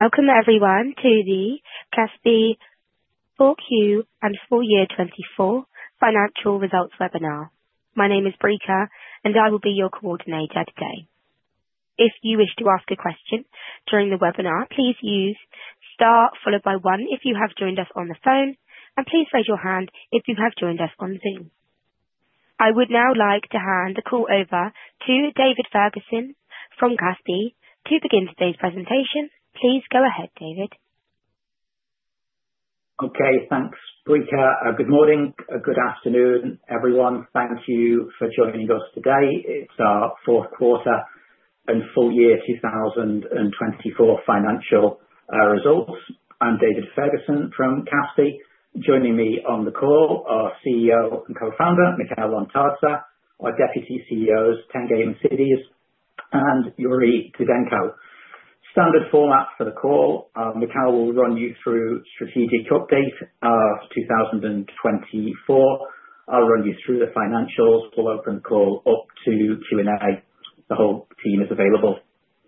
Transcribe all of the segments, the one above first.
Welcome everyone to the Kaspi Q4 and full year 2024 Financial Results webinar. My name is Brigitta, and I will be your coordinator today. If you wish to ask a question during the webinar, please use star followed by one if you have joined us on the phone, and please raise your hand if you have joined us on Zoom. I would now like to hand the call over to David Ferguson from Kaspi to begin today's presentation. Please go ahead, David. Okay, thanks, Brigitta. Good morning, good afternoon, everyone. Thank you for joining us today. It's our fourth quarter and full year 2024 financial results. I'm David Ferguson from Kaspi. Joining me on the call are CEO and co-founder Mikhail Lomtadze, our Deputy CEOs Tengiz Mosidze, and Yuri Didenko. Standard format for the call, Mikhail will run you through strategic update of 2024. I'll run you through the financials. We'll open the call up to Q&A. The whole team is available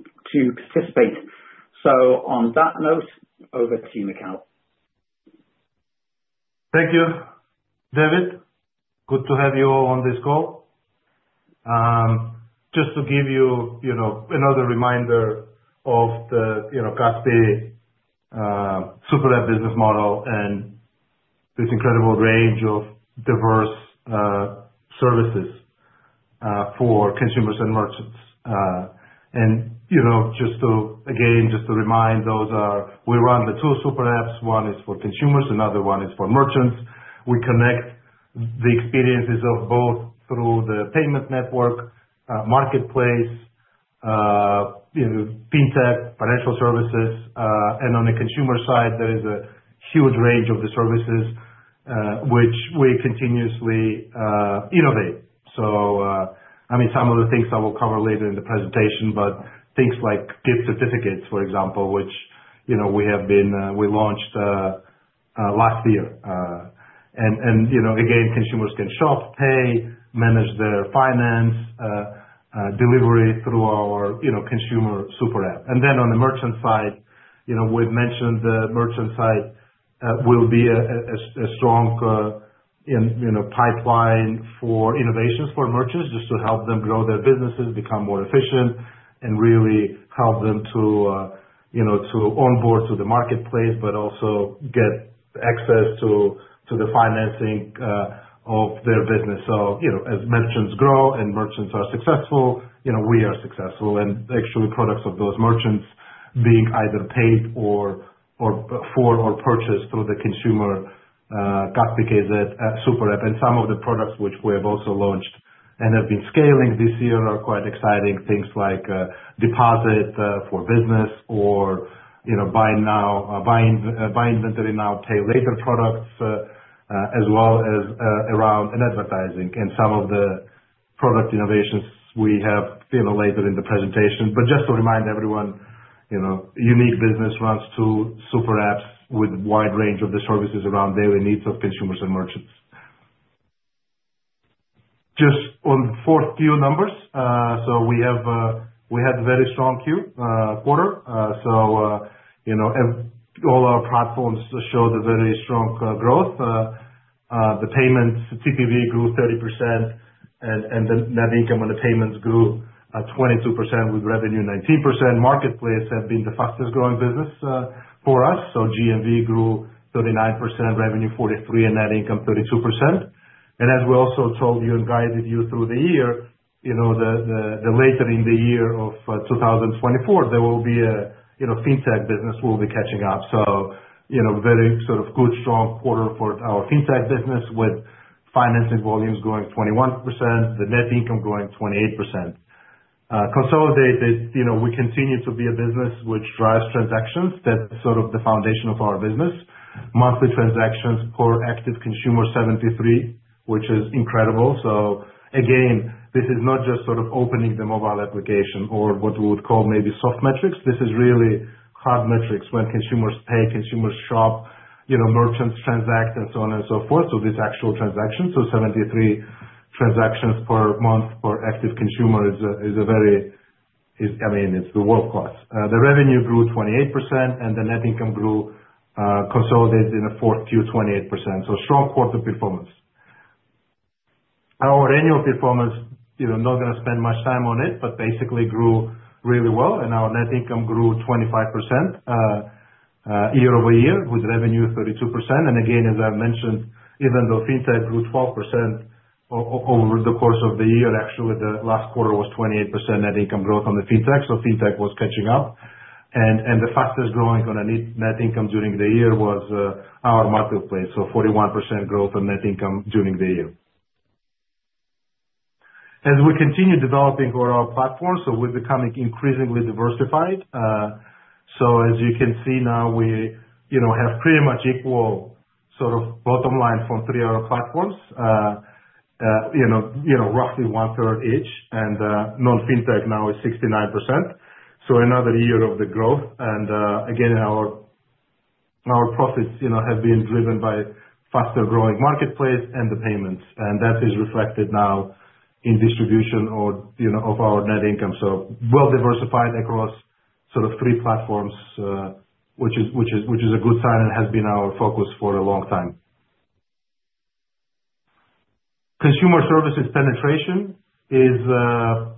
to participate. So on that note, over to Mikhail. Thank you, David. Good to have you all on this call. Just to give you another reminder of the Kaspi Super App business model and this incredible range of diverse services for consumers and merchants. And just to, again, just to remind, those are we run the two super apps. One is for consumers, another one is for merchants. We connect the experiences of both through the payment network, Marketplace, FinTech, financial services. And on the consumer side, there is a huge range of the services which we continuously innovate. So, I mean, some of the things I will cover later in the presentation, but things like gift certificates, for example, which we launched last year. And again, consumers can shop, pay, manage their finance, delivery through our consumer Super App. And then on the merchant side, we've mentioned the merchant side will be a strong pipeline for innovations for merchants just to help them grow their businesses, become more efficient, and really help them to onboard to the Marketplace, but also get access to the financing of their business. So as merchants grow and merchants are successful, we are successful. And actually, products of those merchants being either paid for or purchased through the consumer Kaspi.kz Super App. And some of the products which we have also launched and have been scaling this year are quite exciting. Things like deposit for business or Buy Inventory Now, Pay Later products, as well as around advertising and some of the product innovations we have later in the presentation. Kaspi.kz business runs two super apps with a wide range of the services around daily needs of consumers and merchants. Just on the Q4 numbers, we have a very strong quarter. All our platforms showed a very strong growth. The Payments TPV grew 30%, and the net income on the Payments grew 22% with revenue 19%. Marketplace has been the fastest growing business for us. GMV grew 39%, revenue 43%, and net income 32%. As we also told you and guided you through the year, later in the year 2024, there will be a FinTech business we'll be catching up. Very sort of good, strong quarter for our FinTech business with financing volumes growing 21%, the net income growing 28%. Consolidated, we continue to be a business which drives transactions. That's sort of the foundation of our business. Monthly transactions per active consumer 73, which is incredible. So again, this is not just sort of opening the mobile application or what we would call maybe soft metrics. This is really hard metrics when consumers pay, consumers shop, merchants transact, and so on and so forth. So these actual transactions, so 73 transactions per month per active consumer is a very, I mean, it's world-class. The revenue grew 28%, and the net income grew consolidated in the fourth Q 28%. So strong quarter performance. Our annual performance, not going to spend much time on it, but basically grew really well, and our net income grew 25% year-over-year with revenue 32%. And again, as I mentioned, even though FinTech grew 12% over the course of the year, actually the last quarter was 28% net income growth on the FinTech. So FinTech was catching up. And the fastest growing on a net income during the year was our Marketplace. So 41% growth on net income during the year. As we continue developing our platform, so we're becoming increasingly diversified. So as you can see now, we have pretty much equal sort of bottom line from three other platforms, roughly one third each. And non-FinTech now is 69%. So another year of the growth. And again, our profits have been driven by faster growing Marketplace and the Payments. And that is reflected now in distribution of our net income. So well diversified across sort of three platforms, which is a good sign and has been our focus for a long time. Consumer services penetration is.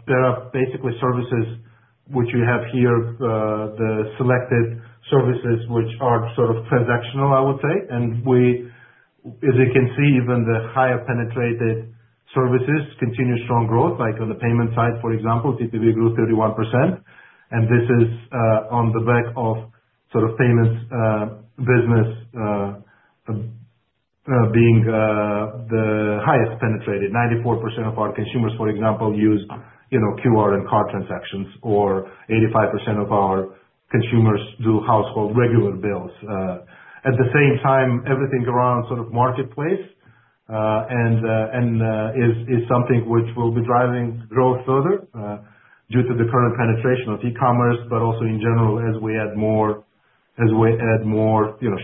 There are basically services which we have here, the selected services which are sort of transactional, I would say. And as you can see, even the higher penetrated services continue strong growth. Like on the payment side, for example, TPV grew 31%. And this is on the back of sort of Payments business being the highest penetrated. 94% of our consumers, for example, use QR and card transactions, or 85% of our consumers do household regular bills. At the same time, everything around sort of Marketplace is something which will be driving growth further due to the current penetration of e-commerce, but also in general as we add more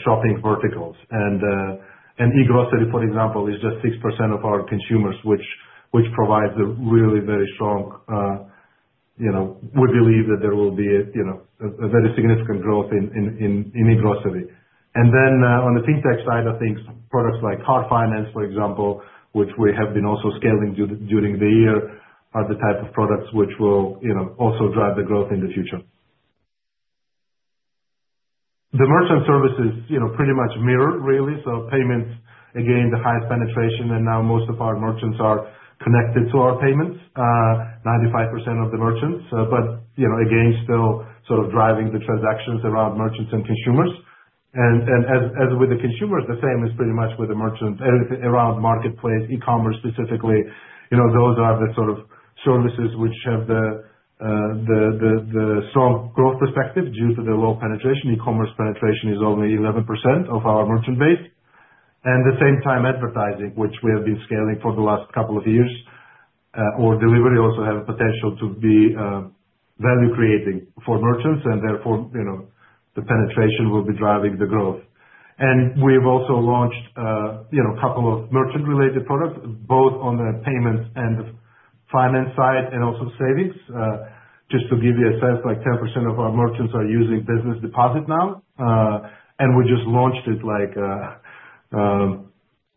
shopping verticals. And e-grocery, for example, is just 6% of our consumers, which provides a really very strong. We believe that there will be a very significant growth in e-grocery. And then on the FinTech side of things, products like card finance, for example, which we have been also scaling during the year, are the type of products which will also drive the growth in the future. The merchant services pretty much mirror really. So Payments, again, the highest penetration. And now most of our merchants are connected to our Payments, 95% of the merchants. But again, still sort of driving the transactions around merchants and consumers. And as with the consumers, the same is pretty much with the merchant around Marketplace, e-commerce specifically. Those are the sort of services which have the strong growth perspective due to the low penetration. E-commerce penetration is only 11% of our merchant base. And at the same time, advertising, which we have been scaling for the last couple of years, or delivery also have a potential to be value creating for merchants. And therefore, the penetration will be driving the growth. We've also launched a couple of merchant-related products, both on the Payments and finance side and also savings. Just to give you a sense, like 10% of our merchants are using business deposit now. We just launched it later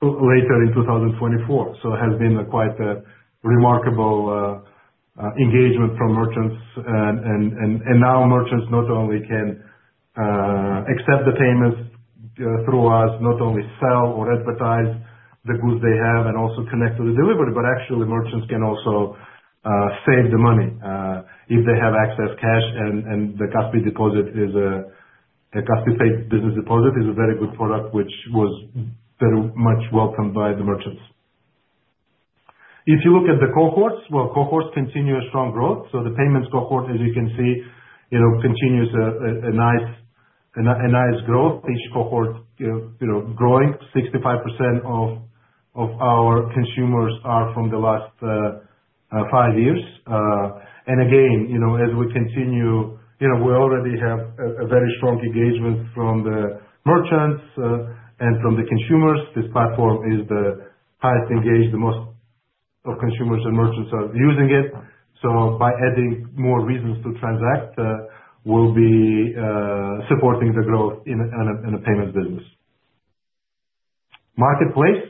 in 2024. It has been quite a remarkable engagement from merchants. Now merchants not only can accept the Payments through us, not only sell or advertise the goods they have and also connect to the delivery, but actually merchants can also save the money if they have excess cash. The Kaspi Deposit is a Kaspi Pay Business Deposit is a very good product which was very much welcomed by the merchants. If you look at the cohorts, well, cohorts continue a strong growth. The Payments cohort, as you can see, continues a nice growth. Each cohort growing. 65% of our consumers are from the last five years. Again, as we continue, we already have a very strong engagement from the merchants and from the consumers. This platform is the highest engaged. The most of consumers and merchants are using it. By adding more reasons to transact, we'll be supporting the growth in the Payments business. Marketplace,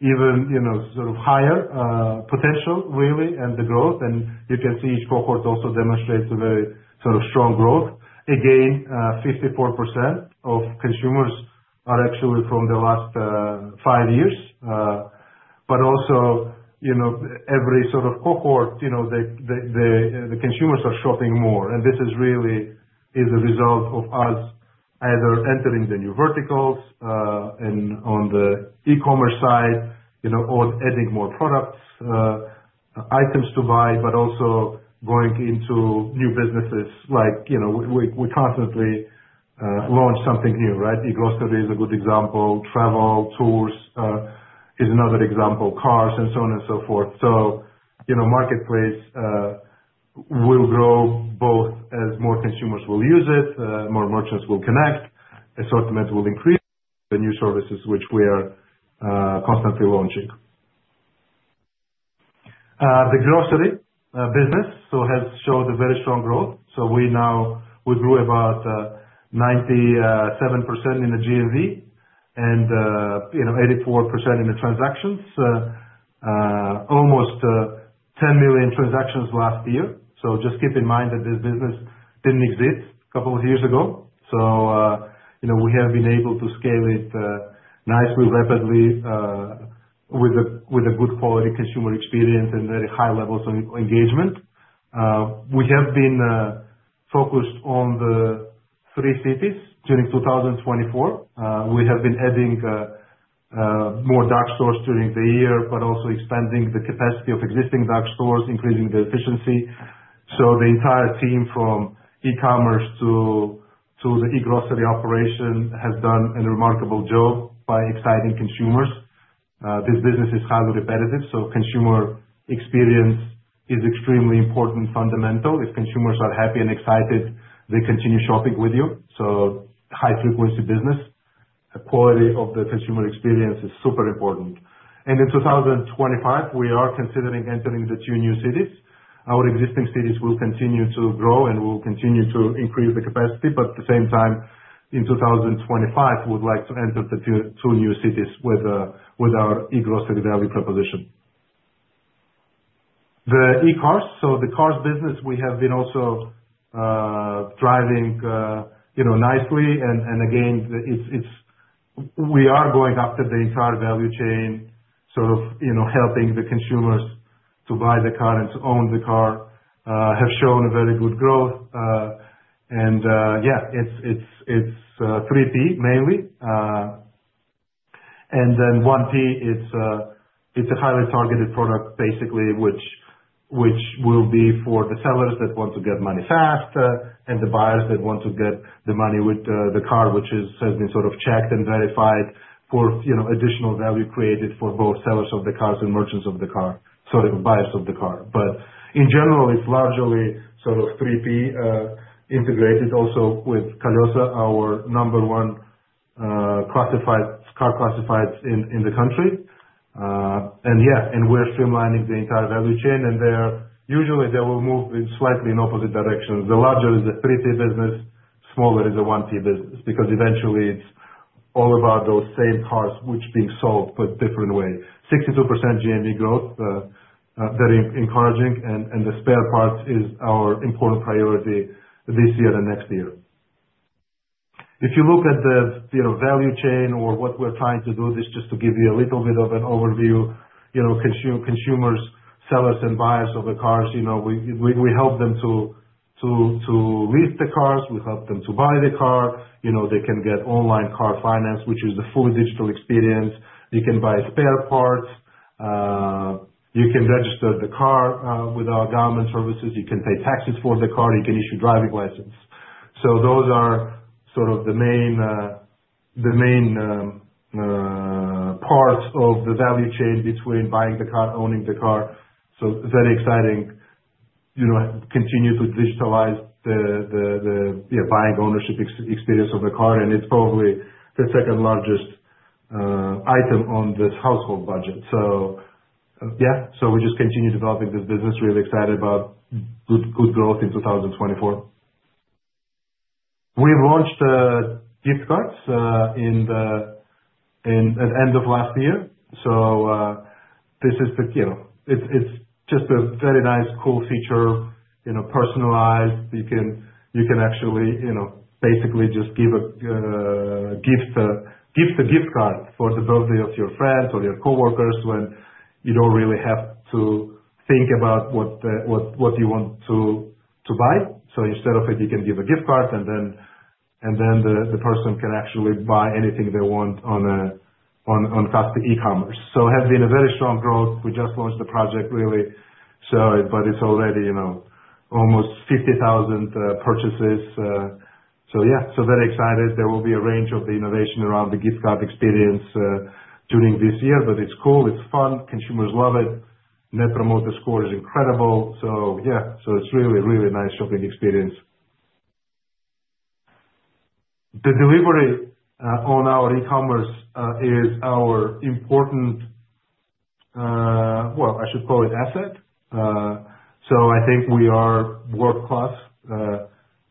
even sort of higher potential really and the growth. You can see each cohort also demonstrates a very sort of strong growth. Again, 54% of consumers are actually from the last five years. Also every sort of cohort, the consumers are shopping more. This is really the result of us either entering the new verticals and on the e-commerce side or adding more products, items to buy, but also going into new businesses. We constantly launch something new, right? e-Grocery is a good example. Travel, tours is another example. Cars and so on and so forth. So Marketplace will grow both as more consumers will use it, more merchants will connect, assortment will increase, the new services which we are constantly launching. The grocery business has showed a very strong growth. So we grew about 97% in the GMV and 84% in the transactions. Almost 10 million transactions last year. So just keep in mind that this business didn't exist a couple of years ago. So we have been able to scale it nicely, rapidly, with a good quality consumer experience and very high levels of engagement. We have been focused on the three cities during 2024. We have been adding more dark stores during the year, but also expanding the capacity of existing dark stores, increasing the efficiency. The entire team from e-commerce to the e-grocery operation has done a remarkable job by exciting consumers. This business is highly repetitive. Consumer experience is extremely important, fundamental. If consumers are happy and excited, they continue shopping with you. High-frequency business. Quality of the consumer experience is super important. In 2025, we are considering entering two new cities. Our existing cities will continue to grow and will continue to increase the capacity. But at the same time, in 2025, we'd like to enter two new cities with our e-grocery value proposition. The e-Cars, so the cars business, we have been also driving nicely. Again, we are going after the entire value chain, sort of helping the consumers to buy the car and to own the car, have shown a very good growth. Yeah, it's 3P mainly. Then 1P, it's a highly targeted product basically, which will be for the sellers that want to get money fast and the buyers that want to get the money with the car, which has been sort of checked and verified for additional value created for both sellers of the cars and merchants of the car, sort of buyers of the car. But in general, it's largely sort of 3P integrated also with Kolesa, our number one car classified in the country. And yeah, and we're streamlining the entire value chain. And usually, they will move slightly in opposite directions. The larger is a 3P business, smaller is a 1P business, because eventually it's all about those same cars which are being sold but different way. 62% GMV growth, very encouraging. And the spare parts is our important priority this year and next year. If you look at the value chain or what we're trying to do, this is just to give you a little bit of an overview. Consumers, sellers, and buyers of the cars, we help them to lease the cars. We help them to buy the car. They can get online car finance, which is a fully digital experience. You can buy spare parts. You can register the car with our government services. You can pay taxes for the car. You can issue a driving license. So those are sort of the main parts of the value chain between buying the car, owning the car, so very exciting to continue to digitalize the buying ownership experience of the car, and it's probably the second largest item on this household budget, so yeah, we just continue developing this business, really excited about good growth in 2024. We've launched gift cards at the end of last year. So this is, it's just a very nice, cool feature, personalized. You can actually basically just give a gift card for the birthday of your friends or your coworkers when you don't really have to think about what you want to buy. So instead of it, you can give a gift card, and then the person can actually buy anything they want on Kaspi e-commerce. So it has been a very strong growth. We just launched the project, really. But it's already almost 50,000 purchases. So yeah, so very excited. There will be a range of the innovation around the gift card experience during this year. But it's cool. It's fun. Consumers love it. Net Promoter Score is incredible. So yeah, so it's really, really nice shopping experience. The delivery on our e-commerce is our important, well, I should call it asset, so I think we are a world-class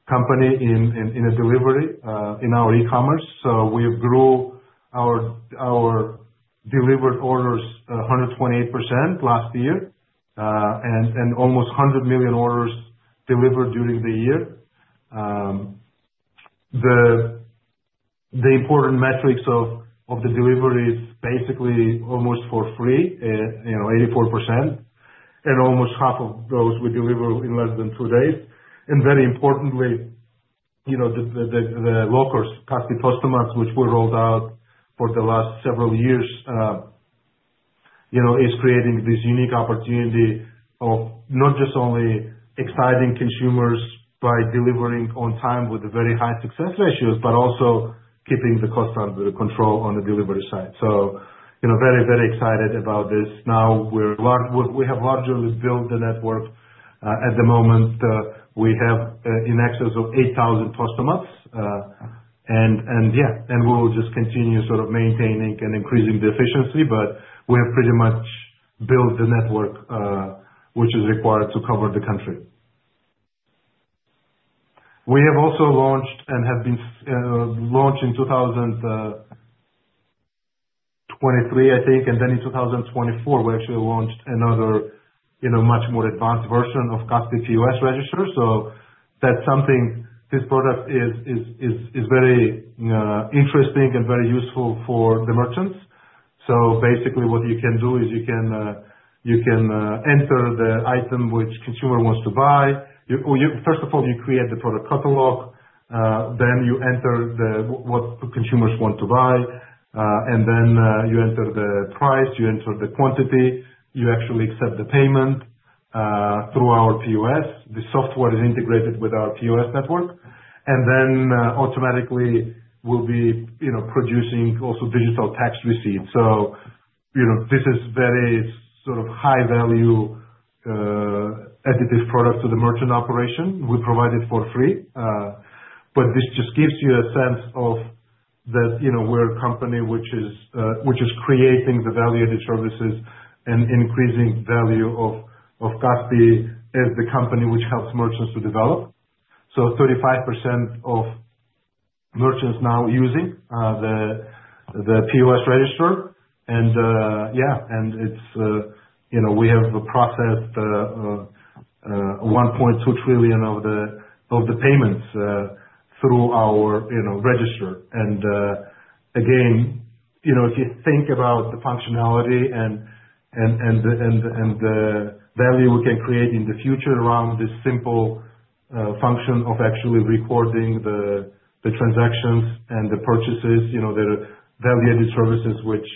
company in delivery in our e-commerce, so we grew our delivered orders 128% last year and almost 100 million orders delivered during the year. The important metrics of the delivery is basically almost for free, 84%, and almost half of those we deliver in less than two days, and very importantly, the lockers, Kaspi Postomats, which we rolled out for the last several years, is creating this unique opportunity of not just only exciting consumers by delivering on time with very high success ratios, but also keeping the cost under control on the delivery side, so very, very excited about this. Now we have largely built the network. At the moment, we have in excess of 8,000 Postomats. Yeah, and we will just continue sort of maintaining and increasing the efficiency. But we have pretty much built the network which is required to cover the country. We have also launched and have been launched in 2023, I think. And then in 2024, we actually launched another much more advanced version of Kaspi POS Register. So that's something. This product is very interesting and very useful for the merchants. So basically, what you can do is you can enter the item which consumer wants to buy. First of all, you create the product catalog. Then you enter what consumers want to buy. And then you enter the price. You enter the quantity. You actually accept the payment through our POS. The software is integrated with our POS network. And then automatically, we'll be producing also digital tax receipts. So, this is very sort of high-value additive product to the merchant operation. We provide it for free. But this just gives you a sense of that we're a company which is creating the value-added services and increasing the value of Kaspi as the company which helps merchants to develop. So, 35% of merchants now using the POS Register. And yeah, and we have processed 1.2 trillion KZT of the Payments through our register. And again, if you think about the functionality and the value we can create in the future around this simple function of actually recording the transactions and the purchases, the value-added services which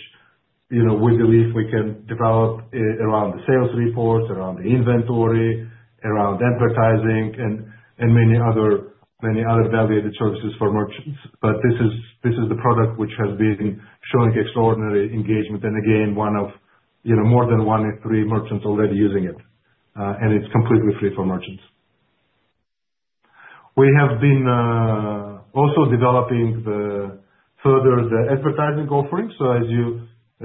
we believe we can develop around the sales reports, around the inventory, around advertising, and many other value-added services for merchants. But this is the product which has been showing extraordinary engagement. And again, more than one in three merchants are already using it. It's completely free for merchants. We have been also developing further the advertising offering. As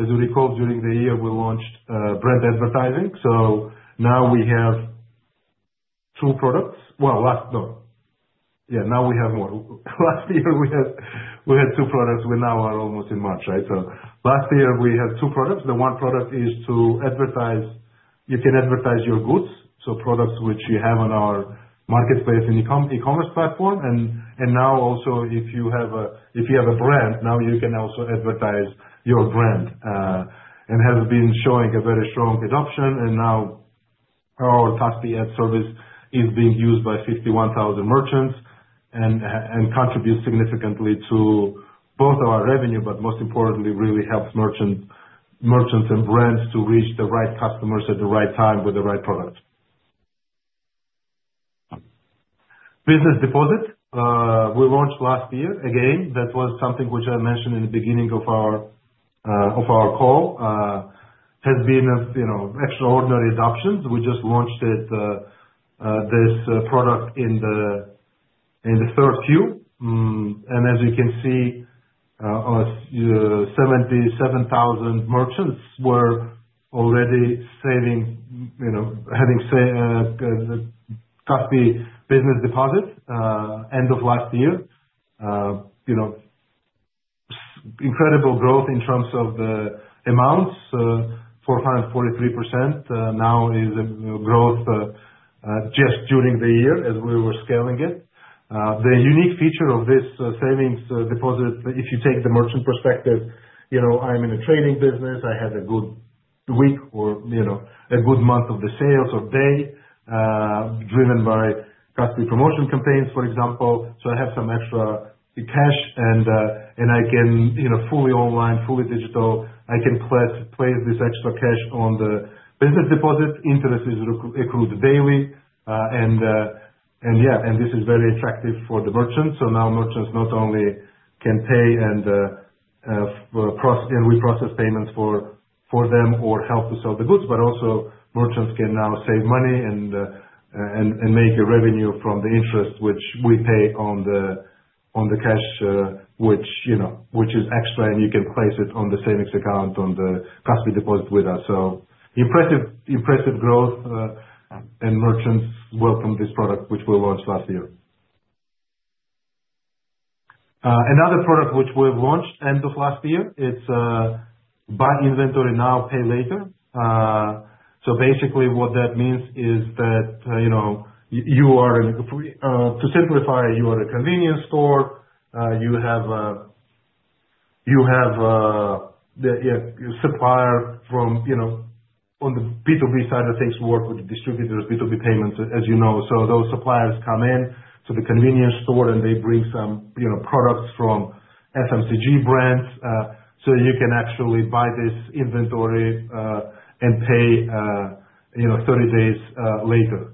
you recall, during the year, we launched brand advertising. Now we have two products. Now we have more. Last year, we had two products. We now are almost in March, right? Last year, we had two products. The one product is to advertise. You can advertise your goods, products which you have on our Marketplace in the e-commerce platform. Now also, if you have a brand, now you can also advertise your brand. It has been showing a very strong adoption. Now our Kaspi ad service is being used by 51,000 merchants and contributes significantly to both our revenue, but most importantly, really helps merchants and brands to reach the right customers at the right time with the right product. Business Deposit, we launched last year. Again, that was something which I mentioned in the beginning of our call. It has been of extraordinary adoption. We just launched this product in the third quarter. And as you can see, 77,000 merchants were already saving, having Kaspi Business Deposit end of last year. Incredible growth in terms of the amounts, 443%. Now, this growth just during the year as we were scaling it. The unique feature of this savings deposit, if you take the merchant perspective, I'm in a trading business. I have a good week or a good month of the sales or a day driven by Kaspi Promotion campaigns, for example. So I have some extra cash, and I can fully online, fully digital. I can place this extra cash on the business deposit. Interest is accrued daily. And yeah, and this is very attractive for the merchants. So now merchants not only can pay and we process Payments for them or help to sell the goods, but also merchants can now save money and make a revenue from the interest which we pay on the cash, which is extra, and you can place it on the savings account on the Kaspi Deposit with us. So impressive growth, and merchants welcome this product which we launched last year. Another product which we've launched end of last year, it's Buy Inventory Now, Pay Later. So basically, what that means is that you are in, to simplify, you are a convenience store. You have a supplier from on the B2B side of things, work with distributors, B2B Payments, as you know. So those suppliers come in to the convenience store, and they bring some products from FMCG brands. So you can actually buy this inventory and pay 30 days later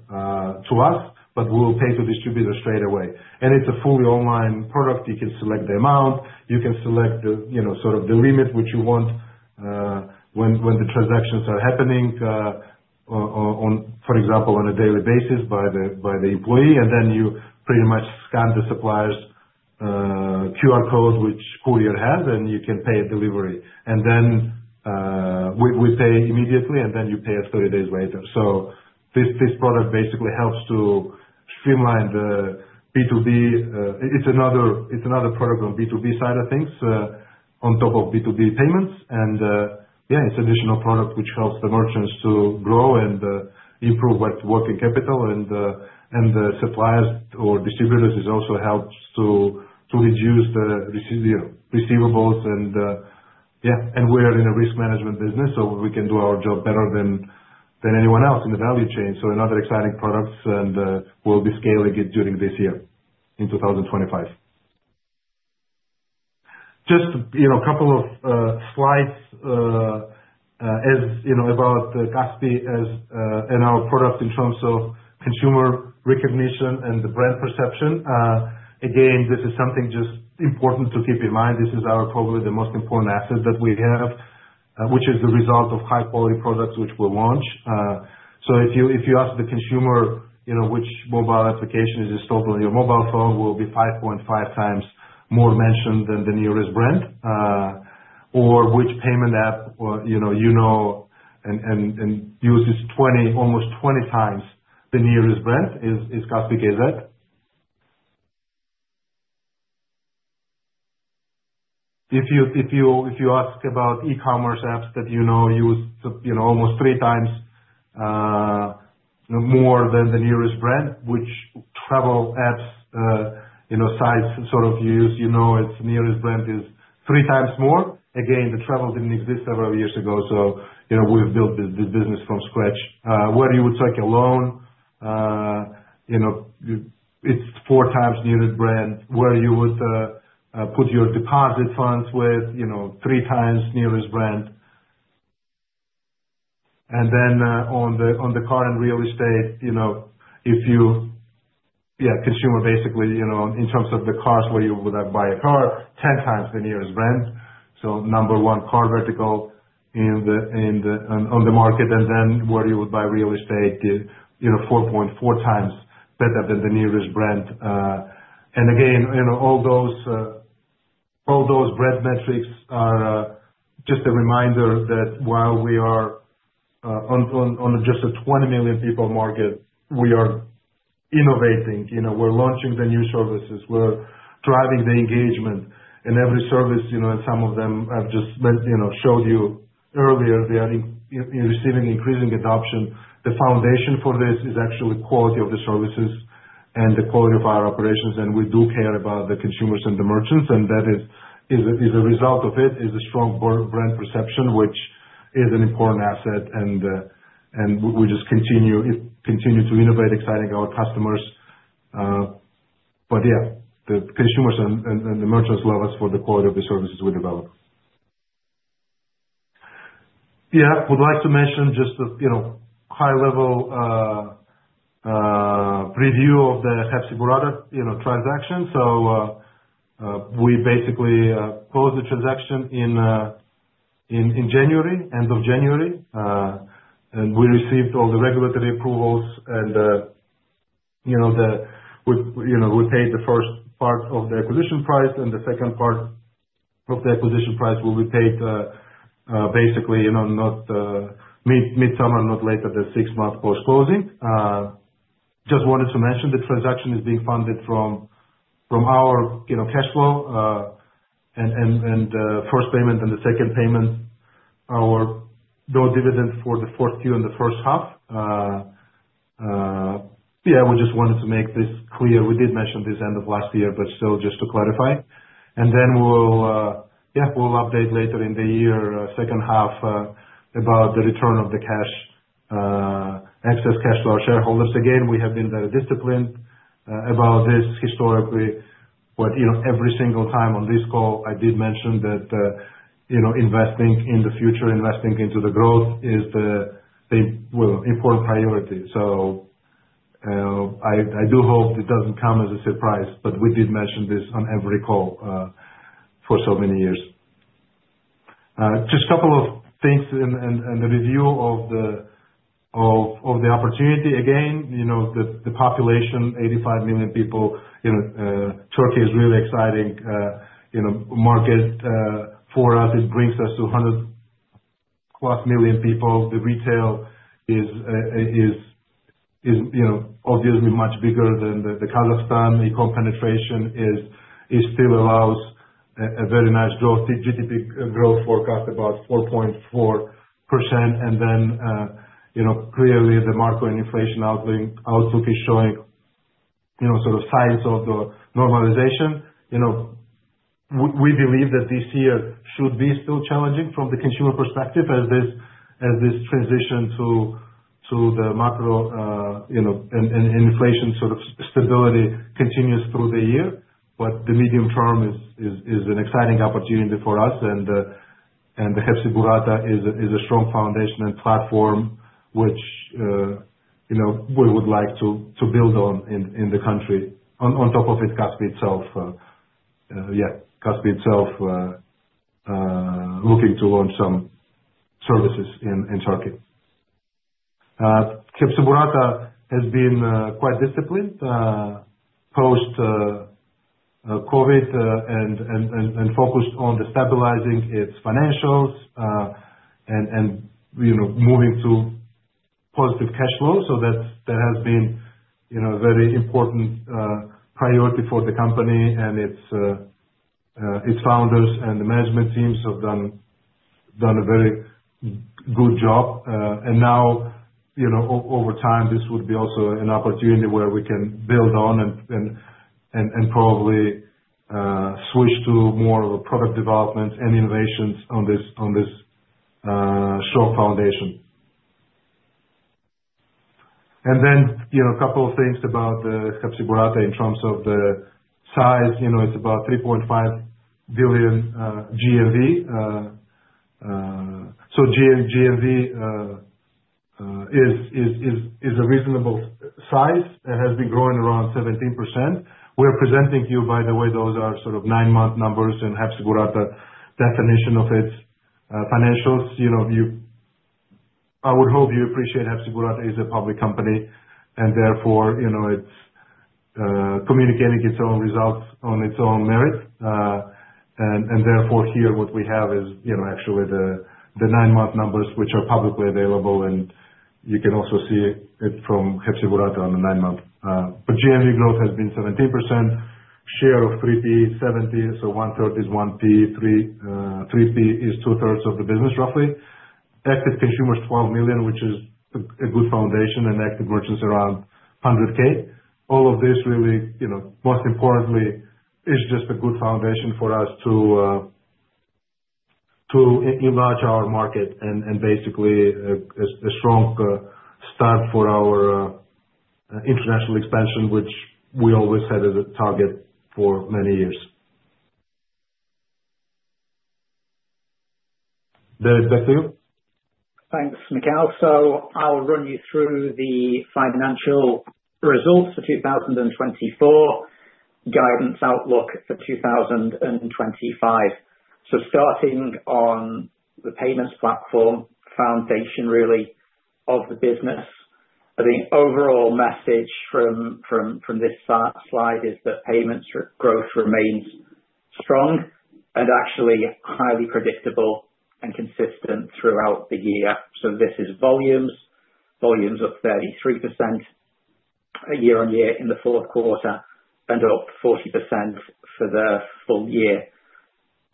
to us, but we'll pay to distributor straight away. And it's a fully online product. You can select the amount. You can select sort of the limit which you want when the transactions are happening, for example, on a daily basis by the employee. And then you pretty much scan the supplier's QR code which courier has, and you can pay a delivery. And then we pay immediately, and then you pay us 30 days later. So this product basically helps to streamline the B2B. It's another product on B2B side of things on top of B2B Payments. And yeah, it's an additional product which helps the merchants to grow and improve working capital. And the suppliers or distributors also helps to reduce the receivables. And yeah, and we are in a risk management business, so we can do our job better than anyone else in the value chain. So another exciting product, and we'll be scaling it during this year in 2025. Just a couple of slides about Kaspi and our product in terms of consumer recognition and the brand perception. Again, this is something just important to keep in mind. This is probably the most important asset that we have, which is the result of high-quality products which we launch. So if you ask the consumer which mobile application is installed on your mobile phone, we'll be 5.5 times more mentioned than the nearest brand. Or which payment app you know and uses almost 20 times the nearest brand is Kaspi.kz. If you ask about e-commerce apps that you know used almost three times more than the nearest brand, which travel apps size sort of you use, you know its nearest brand is three times more. Again, the travel didn't exist several years ago, so we've built this business from scratch. Where you would take a loan, it's four times nearest brand. Where you would put your deposit funds with, three times nearest brand. And then on the car and real estate, if you yeah, consumer basically in terms of the cars, where you would buy a car, 10 times the nearest brand. So number one car vertical on the market. And then where you would buy real estate, 4.4 times better than the nearest brand. And again, all those broad metrics are just a reminder that while we are on just a 20 million people market, we are innovating. We're launching the new services. We're driving the engagement, and every service, and some of them I've just showed you earlier, they are receiving increasing adoption. The foundation for this is actually quality of the services and the quality of our operations, and we do care about the consumers and the merchants, and that is a result of it, is a strong brand perception, which is an important asset, and we just continue to innovate, exciting our customers, but yeah, the consumers and the merchants love us for the quality of the services we develop. Yeah, would like to mention just a high-level preview of the Hepsiburada transaction, so we basically closed the transaction in January, end of January, and we received all the regulatory approvals, and we paid the first part of the acquisition price. The second part of the acquisition price will be paid basically by midsummer, not later than six months post-closing. Just wanted to mention the transaction is being funded from our cash flow. The first payment and the second payment, our dividend for the fourth quarter in the first half. Yeah, we just wanted to make this clear. We did mention this end of last year, but still just to clarify. Then yeah, we'll update later in the year second half about the return of the cash, excess cash to our shareholders. Again, we have been very disciplined about this historically. Every single time on this call, I did mention that investing in the future, investing into the growth is the important priority. I do hope it doesn't come as a surprise, but we did mention this on every call for so many years. Just a couple of things and the review of the opportunity. Again, the population, 85 million people, Turkey is really exciting market for us. It brings us to 100-plus million people. The retail is obviously much bigger than Kazakhstan. E-com penetration still allows a very nice growth. GDP growth forecast about 4.4%. And then clearly, the macro inflation outlook is showing sort of signs of the normalization. We believe that this year should be still challenging from the consumer perspective as this transition to the macro and inflation sort of stability continues through the year. But the medium term is an exciting opportunity for us. And the Hepsiburada is a strong foundation and platform which we would like to build on in the country on top of it, Kaspi itself. Yeah, Kaspi itself looking to launch some services in Turkey. Hepsiburada has been quite disciplined post-COVID and focused on stabilizing its financials and moving to positive cash flow. So that has been a very important priority for the company and its founders and the management teams have done a very good job. And now, over time, this would be also an opportunity where we can build on and probably switch to more of a product development and innovations on this strong foundation. And then a couple of things about the Hepsiburada in terms of the size. It's about 3.5 billion GMV. So GMV is a reasonable size. It has been growing around 17%. We're presenting to you, by the way, those are sort of nine-month numbers and Hepsiburada definition of its financials. I would hope you appreciate Hepsiburada is a public company and therefore it's communicating its own results on its own merit. Therefore here, what we have is actually the nine-month numbers which are publicly available. You can also see it from Hepsiburada on the nine-month. But GMV growth has been 17%. Share of 3P is 70%. So 1/3 is 1P. 3P is two-thirds of the business roughly. Active consumers, 12 million, which is a good foundation. Active merchants around 100K. All of this really, most importantly, is just a good foundation for us to enlarge our market and basically a strong start for our international expansion, which we always had as a target for many years. David, back to you. Thanks, Mikhail, so I'll run you through the financial results for 2024, guidance outlook for 2025, so starting on the Payments platform foundation really of the business, the overall message from this slide is that Payments growth remains strong and actually highly predictable and consistent throughout the year, so this is volumes, volumes of 33% year-on-year in the fourth quarter and up 40% for the full year.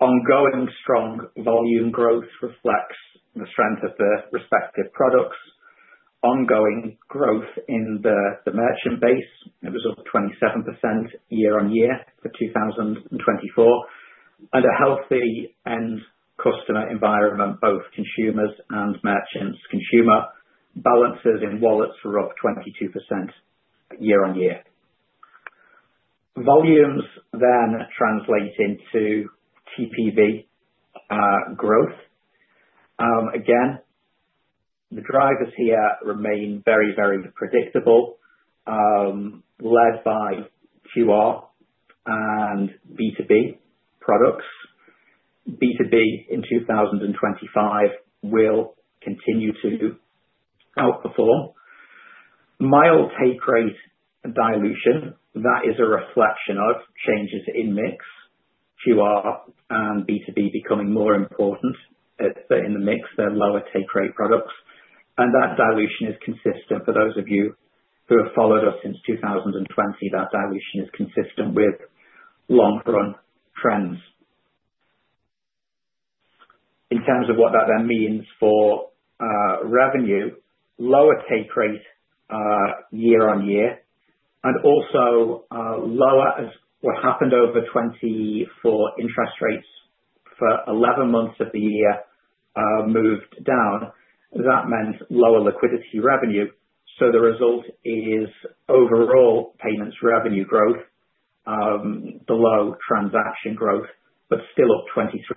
Ongoing strong volume growth reflects the strength of the respective products. Ongoing growth in the merchant base, it was up 27% year-on-year for 2024, and a healthy end customer environment, both consumers and merchants, consumer balances in wallets were up 22% year-on-year, volumes then translate into TPV growth, again, the drivers here remain very, very predictable, led by QR and B2B products. B2B in 2025 will continue to outperform. Mild take rate dilution, that is a reflection of changes in mix, QR and B2B becoming more important in the mix, the lower take rate products. And that dilution is consistent for those of you who have followed us since 2020. That dilution is consistent with long-run trends. In terms of what that then means for revenue, lower take rate year-on-year, and also lower as what happened over 20 for interest rates for 11 months of the year moved down, that meant lower liquidity revenue. So the result is overall Payments revenue growth, below transaction growth, but still up 23%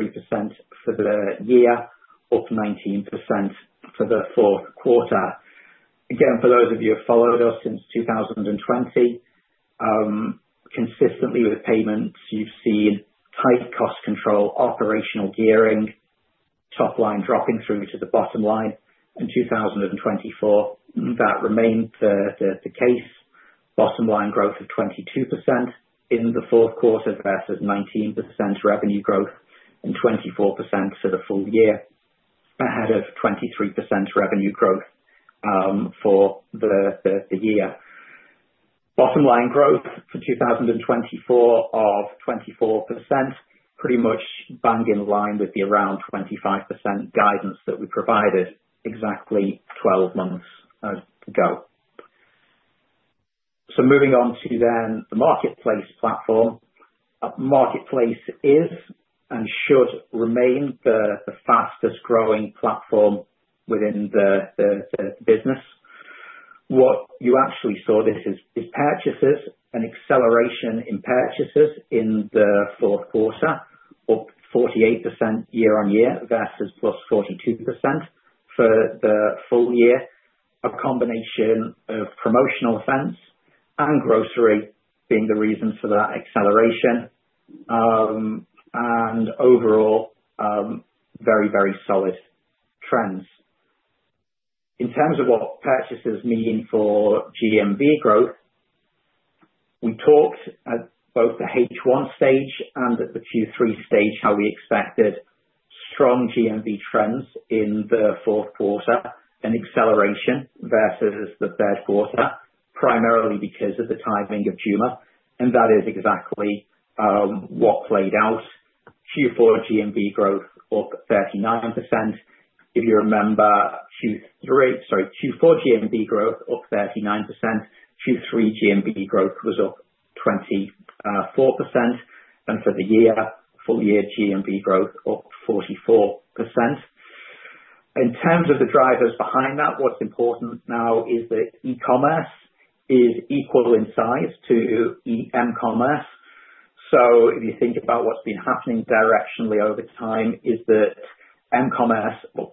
for the year, up 19% for the fourth quarter. Again, for those of you who have followed us since 2020, consistently with Payments, you've seen tight cost control, operational gearing, top line dropping through to the bottom line. In 2024, that remained the case. Bottom line growth of 22% in the fourth quarter versus 19% revenue growth and 24% for the full year ahead of 23% revenue growth for the year. Bottom line growth for 2024 of 24%, pretty much bang in line with the around 25% guidance that we provided exactly 12 months ago. So moving on to then the Marketplace platform. Marketplace is and should remain the fastest growing platform within the business. What you actually saw this is purchases and acceleration in purchases in the fourth quarter, up 48% year-on-year versus plus 42% for the full year. A combination of promotional offense and grocery being the reason for that acceleration. And overall, very, very solid trends. In terms of what purchases mean for GMV growth, we talked at both the H1 stage and at the Q3 stage how we expected strong GMV trends in the fourth quarter and acceleration versus the third quarter, primarily because of the timing of Ramadan, and that is exactly what played out. Q4 GMV growth up 39%. If you remember, Q4 GMV growth up 39%. Q3 GMV growth was up 24%, and for the year, full year GMV growth up 44%. In terms of the drivers behind that, what's important now is that Payments is equal in size to e-commerce. So if you think about what's been happening directionally over time, is that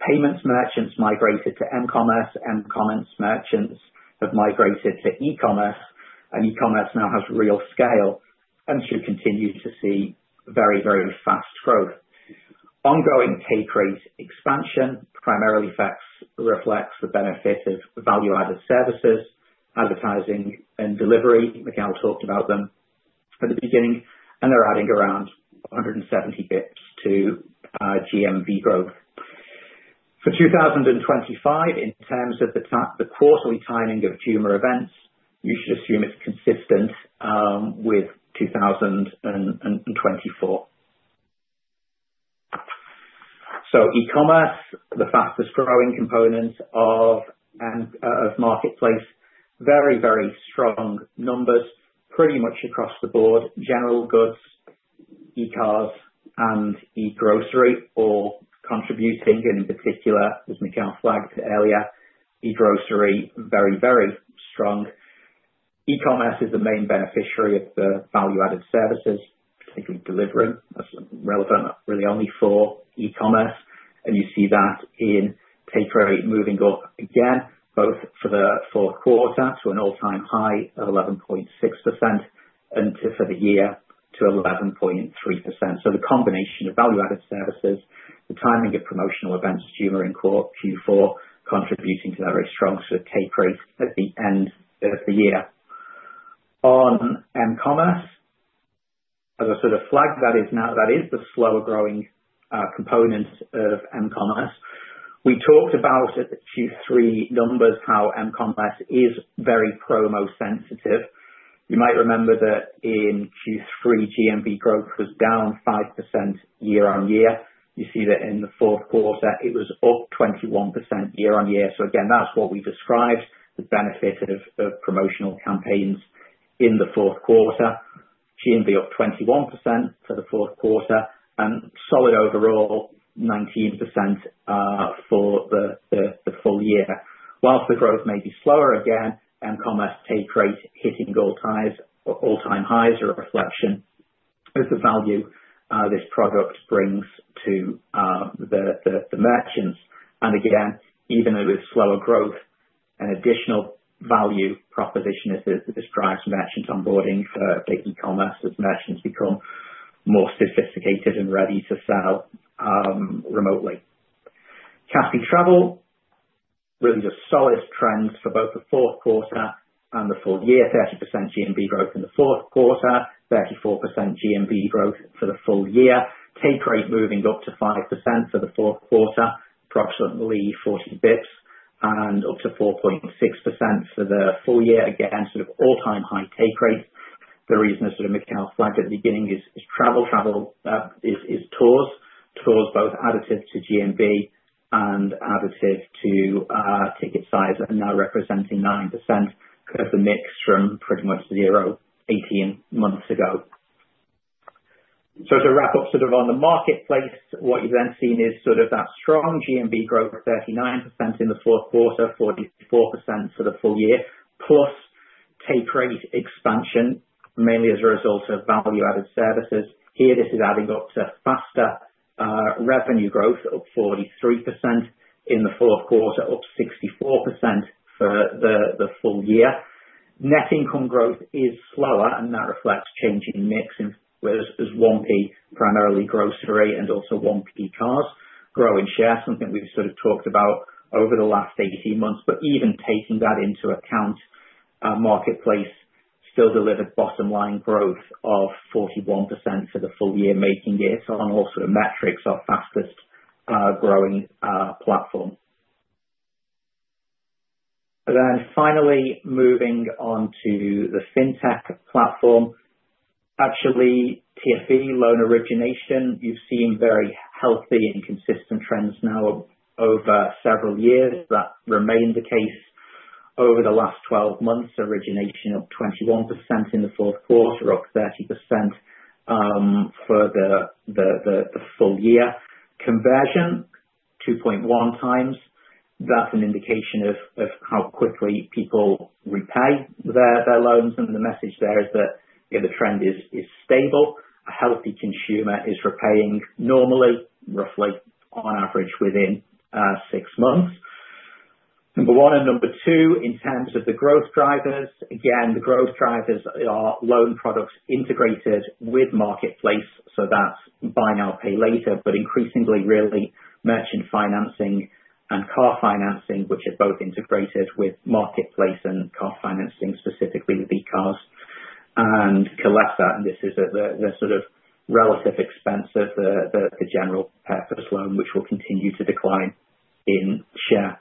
Payments merchants migrated to m-commerce, m-commerce merchants have migrated to e-commerce, and e-commerce now has real scale and should continue to see very, very fast growth. Ongoing take rate expansion primarily reflects the benefit of value-added services, advertising, and delivery. Mikhail talked about them at the beginning. And they're adding around 170 basis points to GMV growth. For 2025, in terms of the quarterly timing of major events, you should assume it's consistent with 2024. So e-commerce, the fastest growing component of Marketplace, very, very strong numbers pretty much across the board, general goods, e-Cars, and e-grocery all contributing. And in particular, as Mikhail flagged earlier, e-grocery, very, very strong. E-commerce is the main beneficiary of the value-added services, particularly delivery. That's relevant really only for e-commerce. And you see that in take rate moving up again, both for the fourth quarter to an all-time high of 11.6% and for the year to 11.3%. So the combination of value-added services, the timing of promotional events, two more in Q4 contributing to that very strong sort of take rate at the end of the year. On M-Commerce, as I sort of flagged, that is the slower growing component of m-commerce. We talked about in the Q3 numbers how m-commerce is very promo sensitive. You might remember that in Q3, GMV growth was down 5% year-on-year. You see that in the fourth quarter, it was up 21% year-on-year. So again, that's what we described, the benefit of promotional campaigns in the fourth quarter. GMV up 21% for the fourth quarter and solid overall, 19% for the full year. While the growth may be slower again, m-commerce take rate hitting all-time highs are a reflection of the value this product brings to the merchants. And again, even with slower growth, an additional value proposition is that this drives merchant onboarding for e-commerce as merchants become more sophisticated and ready to sell remotely. Kaspi Travel, really just solid trends for both the fourth quarter and the full year, 30% GMV growth in the fourth quarter, 34% GMV growth for the full year. Take rate moving up to 5% for the fourth quarter, approximately 40 basis points, and up to 4.6% for the full year. Again, sort of all-time high take rates. The reason is that Mikhail flagged at the beginning is travel. Travel is tours, tours both additive to GMV and additive to ticket size and now representing 9% of the mix from pretty much 0, 18 months ago. So to wrap up sort of on the Marketplace, what you've then seen is sort of that strong GMV growth, 39% in the fourth quarter, 44% for the full year, plus take rate expansion, mainly as a result of value-added services. Here, this is adding up to faster revenue growth, up 43% in the fourth quarter, up 64% for the full year. Net income growth is slower, and that reflects changing mix as 1P, primarily grocery, and also 1P cars grow in share, something we've sort of talked about over the last 18 months. But even taking that into account, Marketplace still delivered bottom line growth of 41% for the full year, making it on all sort of metrics our fastest growing platform. And then finally, moving on to the FinTech platform, actually TFV, loan origination, you've seen very healthy and consistent trends now over several years. That remained the case over the last 12 months, origination up 21% in the fourth quarter, up 30% for the full year. Conversion, 2.1 times. That's an indication of how quickly people repay their loans. And the message there is that the trend is stable. A healthy consumer is repaying normally, roughly on average within six months. Number one and number two, in terms of the growth drivers, again, the growth drivers are loan products integrated with Marketplace. So that's buy now, pay later, but increasingly really merchant financing and car financing, which are both integrated with Marketplace and car financing, specifically with e-Cars. And contrast that. And this is the sort of relative expense of the general purpose loan, which will continue to decline in share.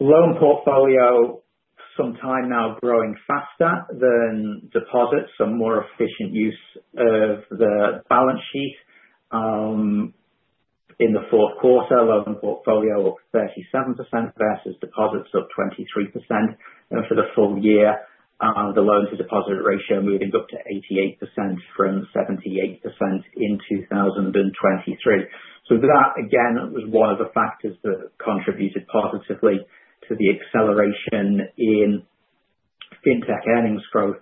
Loan portfolio sometime now growing faster than deposits, so more efficient use of the balance sheet. In the fourth quarter, loan portfolio up 37% versus deposits up 23%. And for the full year, the loan to deposit ratio moving up to 88% from 78% in 2023. So that, again, was one of the factors that contributed positively to the acceleration in FinTech earnings growth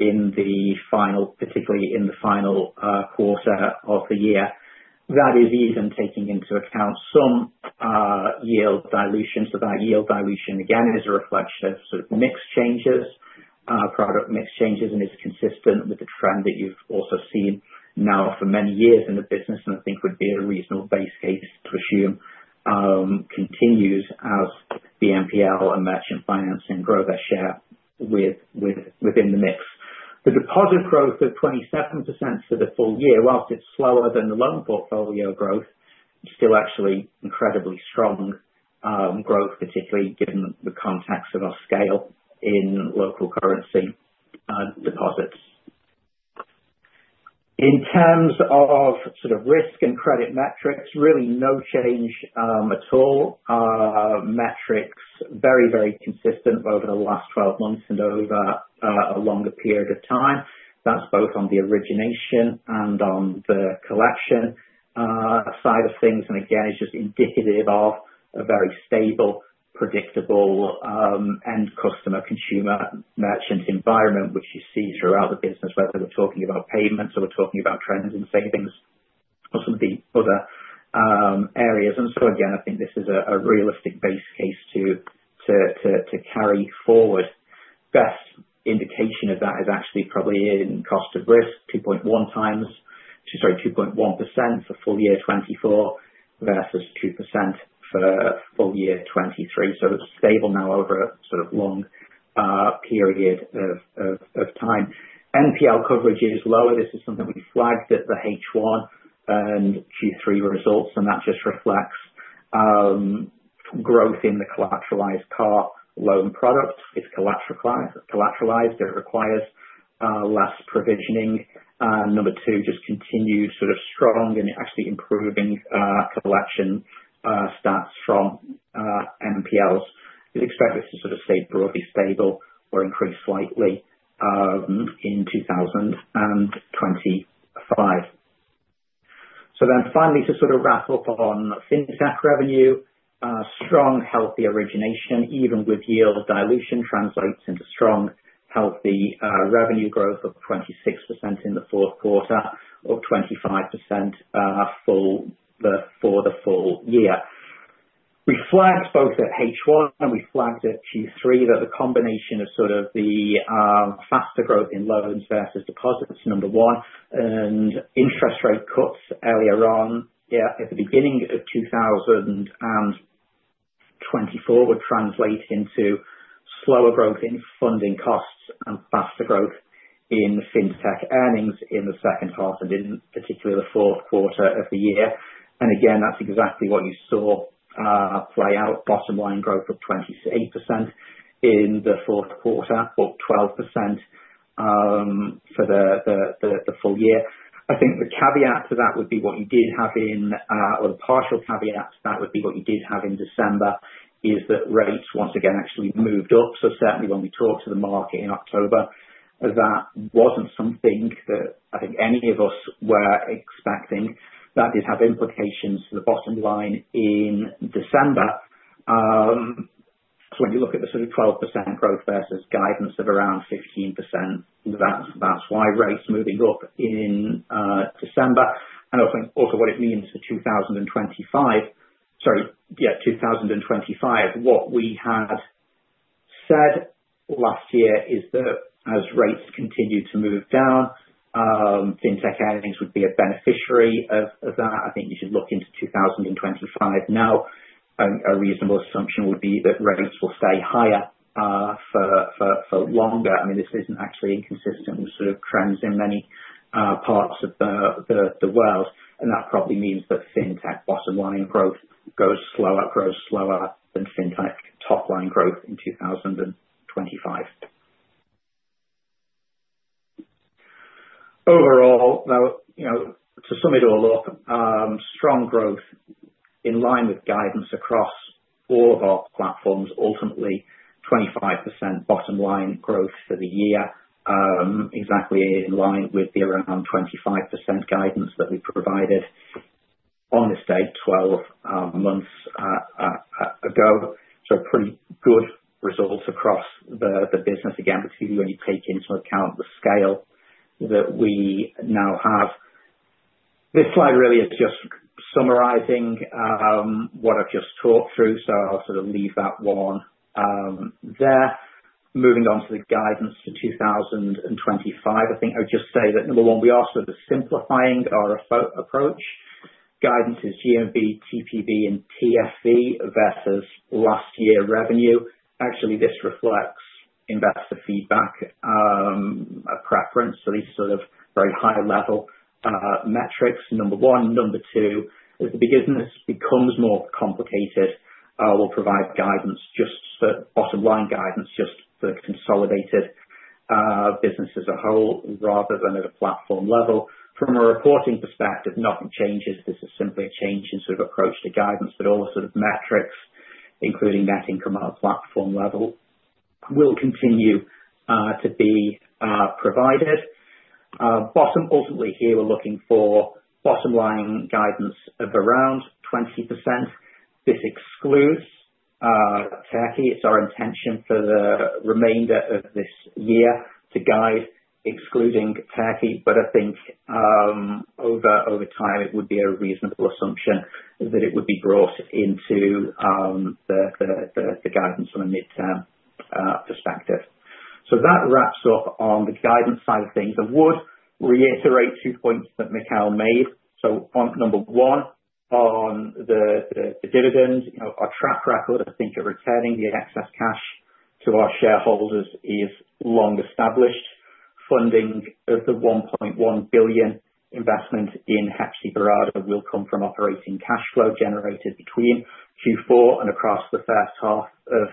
in the final, particularly in the final quarter of the year. That is even taking into account some yield dilution. So that yield dilution again is a reflection of sort of mix changes, product mix changes, and is consistent with the trend that you've also seen now for many years in the business. And I think would be a reasonable base case to assume continues as BNPL and merchant financing grow their share within the mix. The deposit growth of 27% for the full year, while it's slower than the loan portfolio growth, still actually incredibly strong growth, particularly given the context of our scale in local currency deposits. In terms of sort of risk and credit metrics, really no change at all. Metrics very, very consistent over the last 12 months and over a longer period of time. That's both on the origination and on the collection side of things. And again, it's just indicative of a very stable, predictable end customer consumer merchant environment, which you see throughout the business, whether we're talking about Payments or we're talking about trends in savings or some of the other areas. And so again, I think this is a realistic base case to carry forward. Best indication of that is actually probably in cost of risk, 2.1 times, sorry, 2.1% for full year 2024 versus 2% for full year 2023. So it's stable now over a sort of long period of time. BNPL coverage is lower. This is something we flagged at the H1 and Q3 results. And that just reflects growth in the collateralized car loan product. It's collateralized. It requires less provisioning. And number two, just continued sort of strong and actually improving collection stats from BNPLs. We expect this to sort of stay broadly stable or increase slightly in 2025. So then finally, to sort of wrap up on FinTech revenue, strong, healthy origination, even with yield dilution, translates into strong, healthy revenue growth of 26% in the fourth quarter, up 25% for the full year. We flagged both at H1 and we flagged at Q3 that the combination of sort of the faster growth in loans versus deposits, number one, and interest rate cuts earlier on at the beginning of 2024 would translate into slower growth in funding costs and faster growth in FinTech earnings in the second half and in particular the fourth quarter of the year and again, that's exactly what you saw play out. Bottom line growth of 28% in the fourth quarter, up 12% for the full year. I think the caveat to that would be what you did have in, or the partial caveat to that would be what you did have in December, is that rates, once again, actually moved up, so certainly when we talked to the market in October, that wasn't something that I think any of us were expecting. That did have implications for the bottom line in December. So when you look at the sort of 12% growth versus guidance of around 15%, that's why rates moving up in December. And also what it means for 2025, sorry, yeah, 2025, what we had said last year is that as rates continue to move down, FinTech earnings would be a beneficiary of that. I think you should look into 2025 now. A reasonable assumption would be that rates will stay higher for longer. I mean, this isn't actually inconsistent with sort of trends in many parts of the world. And that probably means that FinTech bottom line growth goes slower, grows slower than FinTech top line growth in 2025. Overall, to sum it all up, strong growth in line with guidance across all of our platforms, ultimately 25% bottom line growth for the year, exactly in line with the around 25% guidance that we provided on this date 12 months ago. So pretty good results across the business. Again, particularly when you take into account the scale that we now have. This slide really is just summarizing what I've just talked through. So I'll sort of leave that one there. Moving on to the guidance for 2025, I think I would just say that number one, we are sort of simplifying our approach. Guidance is GMV, TPV, and TFV versus last year revenue. Actually, this reflects investor feedback, a preference. So these are sort of very high-level metrics. Number one. Number two, as the business becomes more complicated, we'll provide guidance, just bottom line guidance, just for the consolidated business as a whole rather than at a platform level. From a reporting perspective, nothing changes. This is simply a change in sort of approach to guidance, but all sort of metrics, including net income on a platform level, will continue to be provided. Ultimately here, we're looking for bottom line guidance of around 20%. This excludes Kolesa. It's our intention for the remainder of this year to guide, excluding Kolesa. But I think over time, it would be a reasonable assumption that it would be brought into the guidance from a midterm perspective. So that wraps up on the guidance side of things. I would reiterate two points that Mikhail made. Number one, on the dividend, our track record, I think, of returning the excess cash to our shareholders is long established. Funding of the $1.1 billion investment in Hepsiburada will come from operating cash flow generated between Q4 and across the first half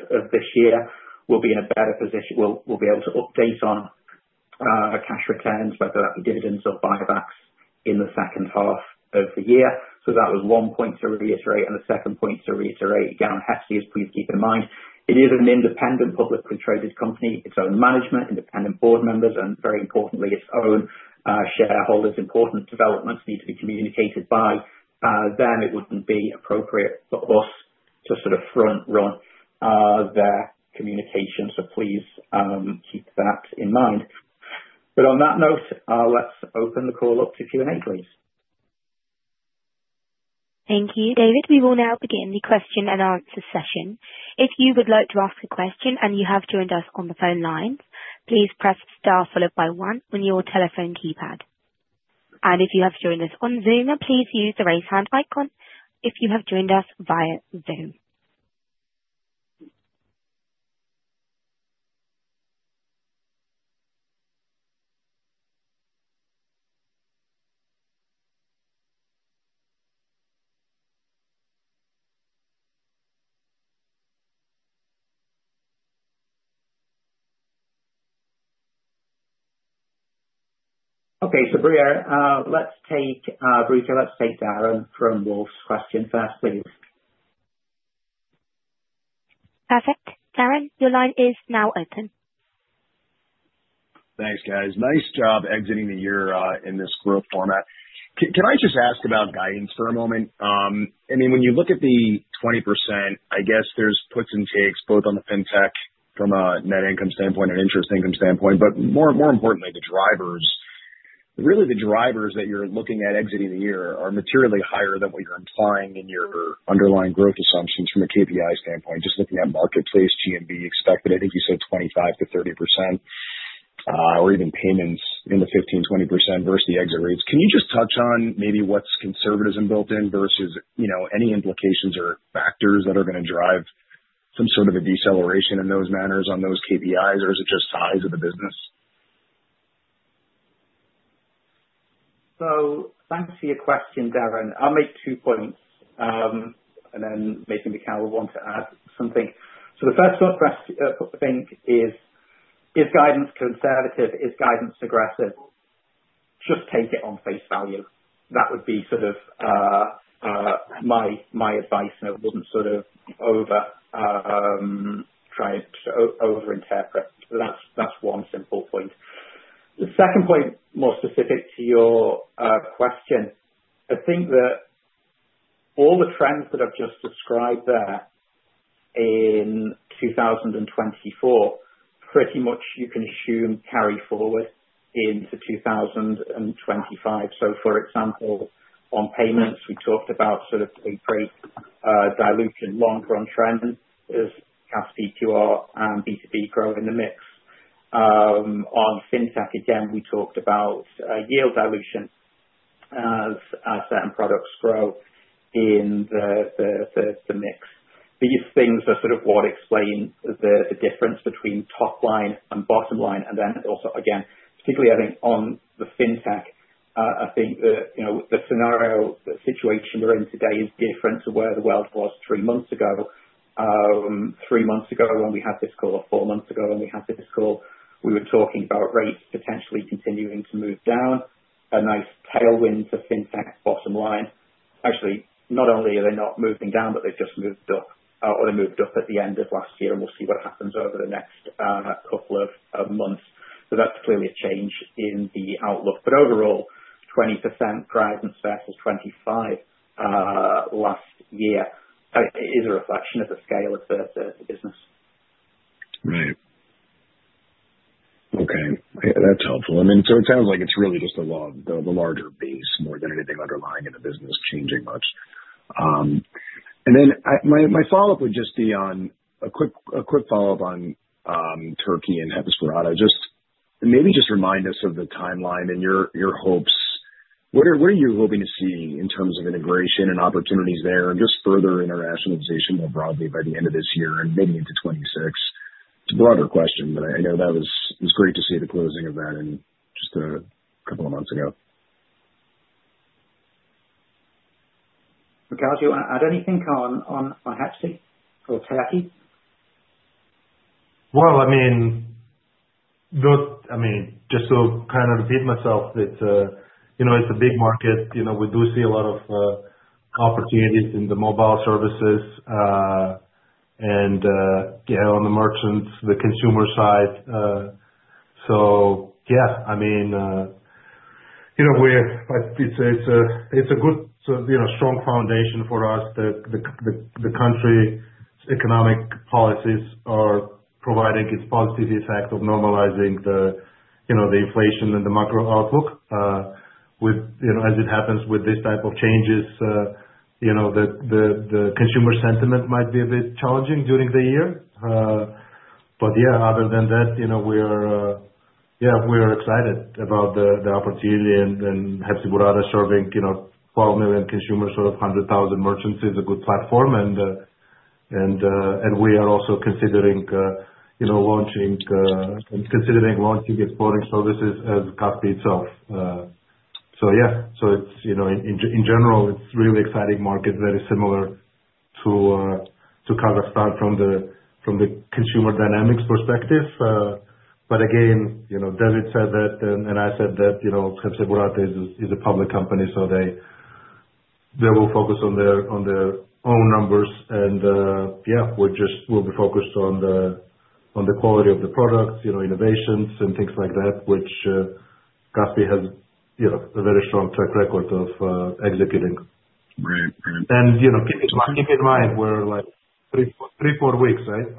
of this year. We'll be in a better position. We'll be able to update on cash returns, whether that be dividends or buybacks in the second half of the year. That was one point to reiterate. The second point to reiterate, again, on Hepsiburada, please keep in mind, it is an independent publicly traded company. Its own management, independent board members, and very importantly, its own shareholders. Important developments need to be communicated by them. It wouldn't be appropriate for us to sort of front-run their communication. Please keep that in mind. But on that note, let's open the call up to Q&A, please. Thank you, David. We will now begin the question and answer session. If you would like to ask a question and you have joined us on the phone line, please press star followed by one on your telephone keypad. And if you have joined us on Zoom, please use the raise hand icon if you have joined us via Zoom. Okay, so let's take Darrin from Wolfe's question first, please. Perfect. Darrin, your line is now open. Thanks, guys. Nice job exiting the year in this growth format. Can I just ask about guidance for a moment? I mean, when you look at the 20%, I guess there's puts and takes both on the FinTech from a net income standpoint and interest income standpoint. But more importantly, the drivers, really the drivers that you're looking at exiting the year are materially higher than what you're implying in your underlying growth assumptions from a KPI standpoint. Just looking at Marketplace, GMV expected, I think you said 25%-30%, or even Payments in the 15%-20% versus the exit rates. Can you just touch on maybe what's conservatism built in versus any implications or factors that are going to drive some sort of a deceleration in those manners on those KPIs, or is it just size of the business? So thanks for your question, Darrin. I'll make two points, and then maybe Mikhail will want to add something. So the first thing is, is guidance conservative? Is guidance aggressive? Just take it on face value. That would be sort of my advice, and it wouldn't sort of over-interpret. That's one simple point. The second point, more specific to your question, I think that all the trends that I've just described there in 2024, pretty much you can assume carry forward into 2025. So for example, on Payments, we talked about sort of a rate dilution, long-run trend as Kaspi QR and B2B grow in the mix. On FinTech, again, we talked about yield dilution as certain products grow in the mix. These things are sort of what explain the difference between top line and bottom line. And then also, again, particularly I think on the FinTech, I think that the scenario, the situation we're in today is different to where the world was three months ago. Three months ago when we had this call, or four months ago when we had this call, we were talking about rates potentially continuing to move down, a nice tailwind for FinTech bottom line. Actually, not only are they not moving down, but they've just moved up, or they moved up at the end of last year, and we'll see what happens over the next couple of months. But that's clearly a change in the outlook. But overall, 20% guidance versus 25% last year is a reflection of the scale of the business. Right. Okay. That's helpful. I mean, so it sounds like it's really just the larger base more than anything underlying in the business changing much. And then my follow-up would just be on a quick follow-up on Turkey and Hepsiburada. Just maybe just remind us of the timeline and your hopes. What are you hoping to see in terms of integration and opportunities there and just further internationalization more broadly by the end of this year and maybe into 2026? It's a broader question, but I know that was great to see the closing of that in just a couple of months ago. Mikhail, do you add anything on Hepsiburada or Turkey? Well, I mean, just to kind of repeat myself, it's a big market. We do see a lot of opportunities in the mobile services and, yeah, on the merchants, the consumer side. So, yeah, I mean, it's a good, strong foundation for us. The country's economic policies are providing its positive effect of normalizing the inflation and the macro outlook. As it happens with these type of changes, the consumer sentiment might be a bit challenging during the year. But yeah, other than that, yeah, we're excited about the opportunity. And Hepsiburada is serving 12 million consumers, so 100,000 merchants is a good platform. And we are also considering launching exporting services as Kaspi itself. So, yeah. In general, it's a really exciting market, very similar to Kazakhstan from the consumer dynamics perspective. But again, David said that, and I said that Hepsiburada is a public company, so they will focus on their own numbers. Yeah, we'll be focused on the quality of the products, innovations, and things like that, which Kaspi has a very strong track record of executing. Keep in mind, we're like three, four weeks, right?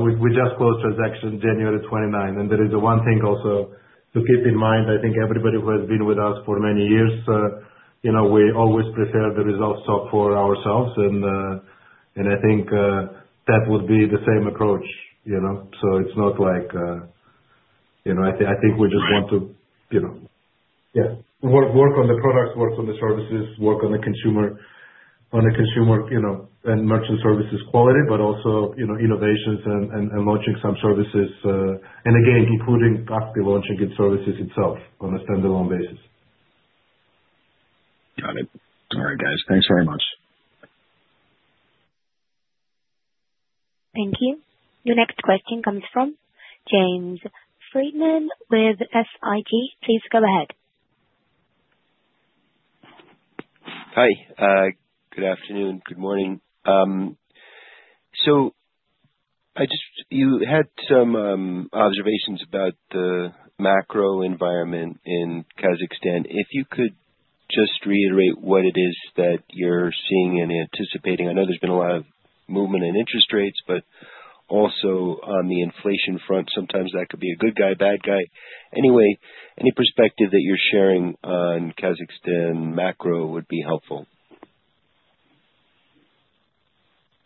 We just closed transaction January 29. There is one thing also to keep in mind. I think everybody who has been with us for many years, we always prefer the results for ourselves. I think that would be the same approach. It's not like I think we just want to. Yeah. Work on the products, work on the services, work on the consumer and merchant services quality, but also innovations and launching some services, and again, including Kaspi launching its services itself on a standalone basis. Got it. All right, guys. Thanks very much. Thank you. Your next question comes from James Friedman with SIG. Please go ahead. Hi. Good afternoon. Good morning. So you had some observations about the macro environment in Kazakhstan. If you could just reiterate what it is that you're seeing and anticipating. I know there's been a lot of movement in interest rates, but also on the inflation front, sometimes that could be a good guy, bad guy. Anyway, any perspective that you're sharing on Kazakhstan macro would be helpful.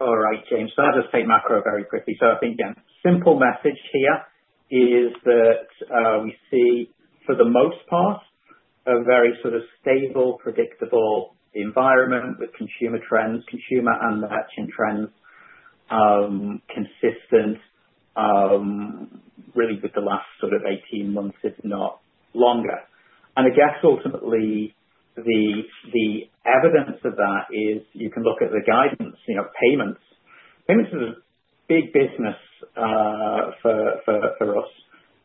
All right, James. So I'll just take macro very quickly. I think, again, the simple message here is that we see, for the most part, a very sort of stable, predictable environment with consumer trends, consumer and merchant trends consistent really with the last sort of 18 months, if not longer. And I guess ultimately, the evidence of that is you can look at the guidance, Payments. Payments is a big business for us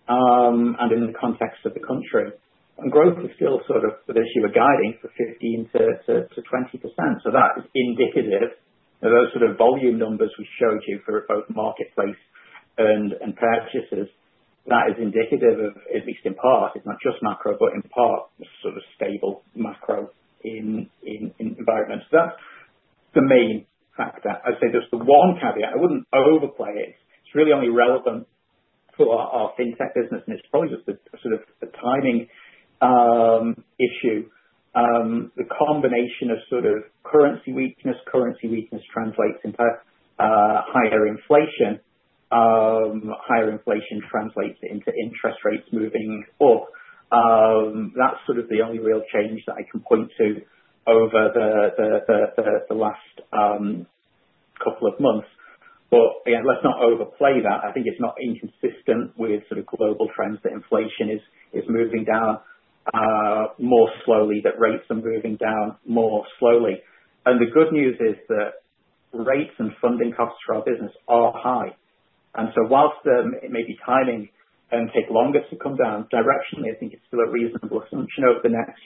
and in the context of the country. And growth is still sort of an issue of guiding for 15%-20%. So that is indicative of those sort of volume numbers we showed you for both Marketplace and purchases. That is indicative of, at least in part, it's not just macro, but in part, sort of stable macro environment. So that's the main factor. I'd say there's the one caveat. I wouldn't overplay it. It's really only relevant for our FinTech business, and it's probably just sort of a timing issue. The combination of sort of currency weakness, currency weakness translates into higher inflation. Higher inflation translates into interest rates moving up. That's sort of the only real change that I can point to over the last couple of months. But again, let's not overplay that. I think it's not inconsistent with sort of global trends that inflation is moving down more slowly, that rates are moving down more slowly. And the good news is that rates and funding costs for our business are high. And so whilst it may be timing and take longer to come down, directionally, I think it's still a reasonable assumption over the next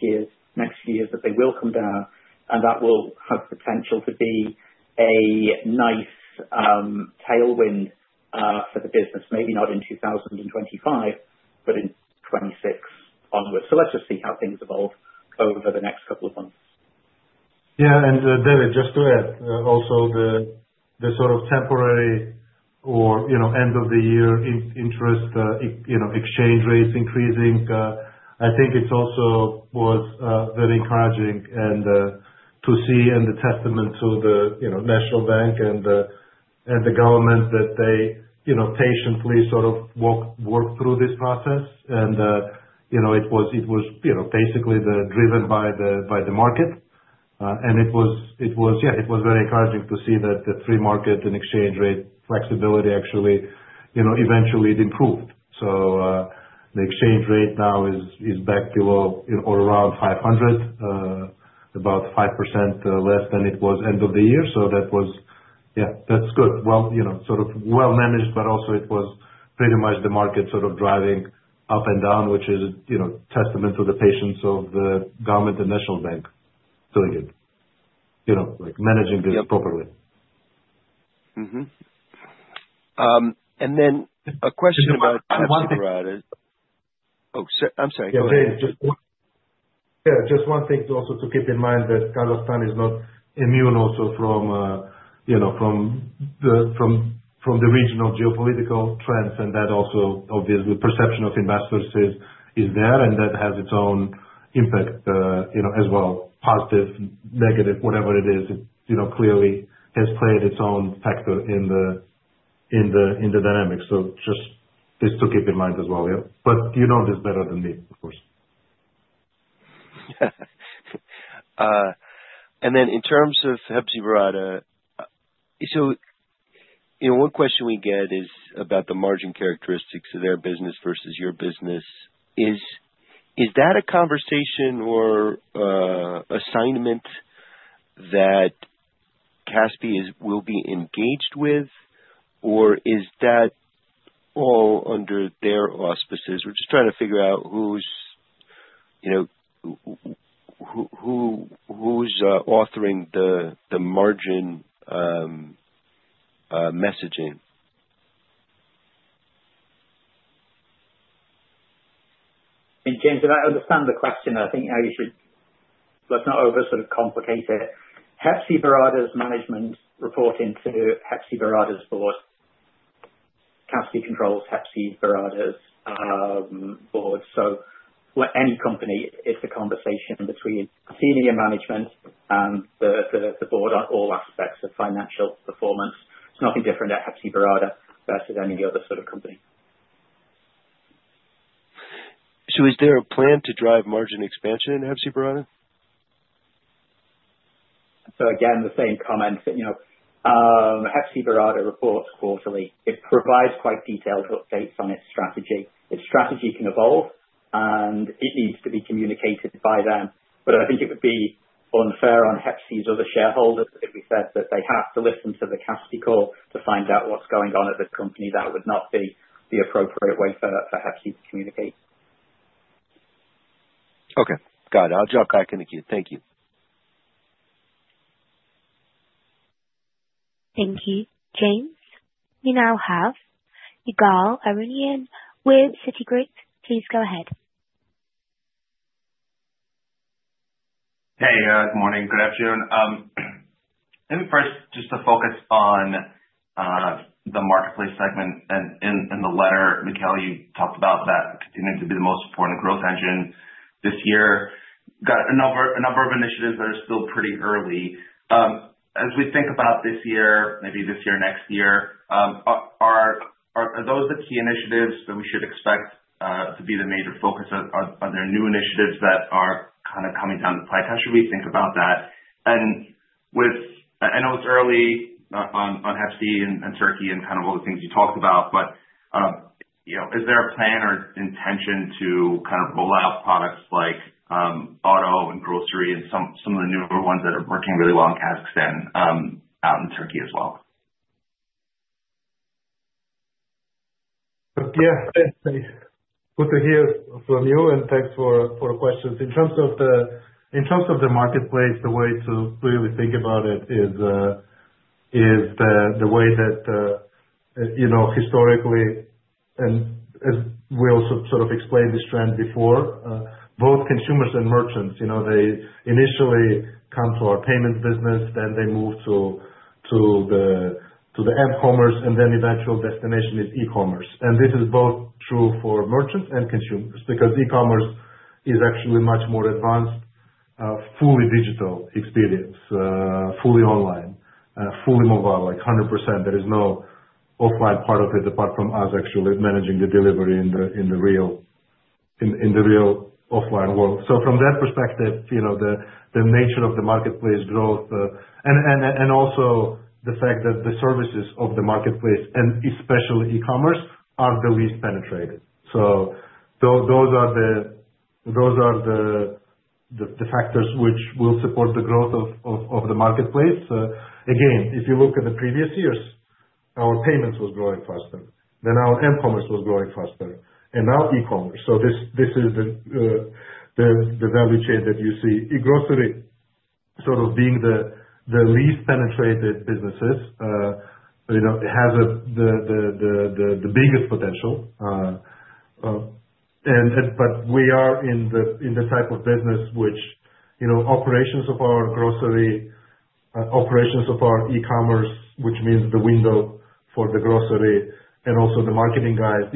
few years that they will come down. And that will have potential to be a nice tailwind for the business, maybe not in 2025, but in 2026 onwards. So let's just see how things evolve over the next couple of months. Yeah. And David, just to add, also the sort of temporary or end-of-the-year interest exchange rates increasing, I think it also was very encouraging to see and the testament to the National Bank and the government that they patiently sort of worked through this process. And it was basically driven by the market. And yeah, it was very encouraging to see that the free market and exchange rate flexibility actually eventually improved. So the exchange rate now is back below or around 500, about 5% less than it was end of the year. So that was, yeah, that's good. Sort of well-managed, but also it was pretty much the market sort of driving up and down, which is a testament to the patience of the government and National Bank doing it, managing this properly, and then a question about Hepsiburada. Oh, I'm sorry. Yeah, David. Yeah, just one thing also to keep in mind that Kazakhstan is not immune also from the regional geopolitical trends, and that also obviously perception of investors is there, and that has its own impact as well. Positive, negative, whatever it is, it clearly has played its own factor in the dynamic, so just to keep in mind as well. But you know this better than me, of course. And then in terms of Hepsiburada, so one question we get is about the margin characteristics of their business versus your business. Is that a conversation or assignment that Kaspi.kz will be engaged with, or is that all under their auspices? We're just trying to figure out who's authoring the margin messaging. And James, if I understand the question, I think now you should let's not over-complicate it. Hepsiburada's management reporting to Hepsiburada's board. Kaspi.kz controls Hepsiburada's board. So any company, it's a conversation between senior management and the board on all aspects of financial performance. It's nothing different at Hepsiburada versus any other sort of company. So is there a plan to drive margin expansion in Hepsiburada? So again, the same comment. Hepsiburada reports quarterly. It provides quite detailed updates on its strategy. Its strategy can evolve, and it needs to be communicated by them. But I think it would be unfair on Hepsiburada's other shareholders if we said that they have to listen to the Kaspi call to find out what's going on at the company. That would not be the appropriate way for Hepsiburada to communicate. Okay. Got it. I'll jump back in the queue. Thank you. Thank you. James, we now have Darrin Peller. Please go ahead. Hey, good morning. Good afternoon. Maybe first just to focus on the Marketplace segment. And in the letter, Mikhail, you talked about that continuing to be the most important growth engine this year. Got a number of initiatives that are still pretty early. As we think about this year, maybe this year, next year, are those the key initiatives that we should expect to be the major focus or new initiatives that are kind of coming down the pike? How should we think about that? And I know it's early on Hepsiburada and Turkey and kind of all the things you talked about, but is there a plan or intention to kind of roll out products like auto and grocery and some of the newer ones that are working really well in Kazakhstan out in Turkey as well? Yeah. Good to hear from you, and thanks for the questions. In terms of the Marketplace, the way to really think about it is the way that historically, and as we also sort of explained this trend before, both consumers and merchants, they initially come to our Payments business, then they move to the app commerce, and then eventual destination is e-commerce. And this is both true for merchants and consumers because e-commerce is actually a much more advanced, fully digital experience, fully online, fully mobile, like 100%. There is no offline part of it apart from us actually managing the delivery in the real offline world. So from that perspective, the nature of the Marketplace growth and also the fact that the services of the Marketplace, and especially e-commerce, are the least penetrated. So those are the factors which will support the growth of the Marketplace. Again, if you look at the previous years, our Payments was growing faster, then our e-commerce was growing faster, and now e-commerce. So this is the value chain that you see. Grocery sort of being the least penetrated businesses has the biggest potential. But we are in the type of business which operations of our grocery, operations of our e-commerce, which means the window for the grocery and also the marketing guys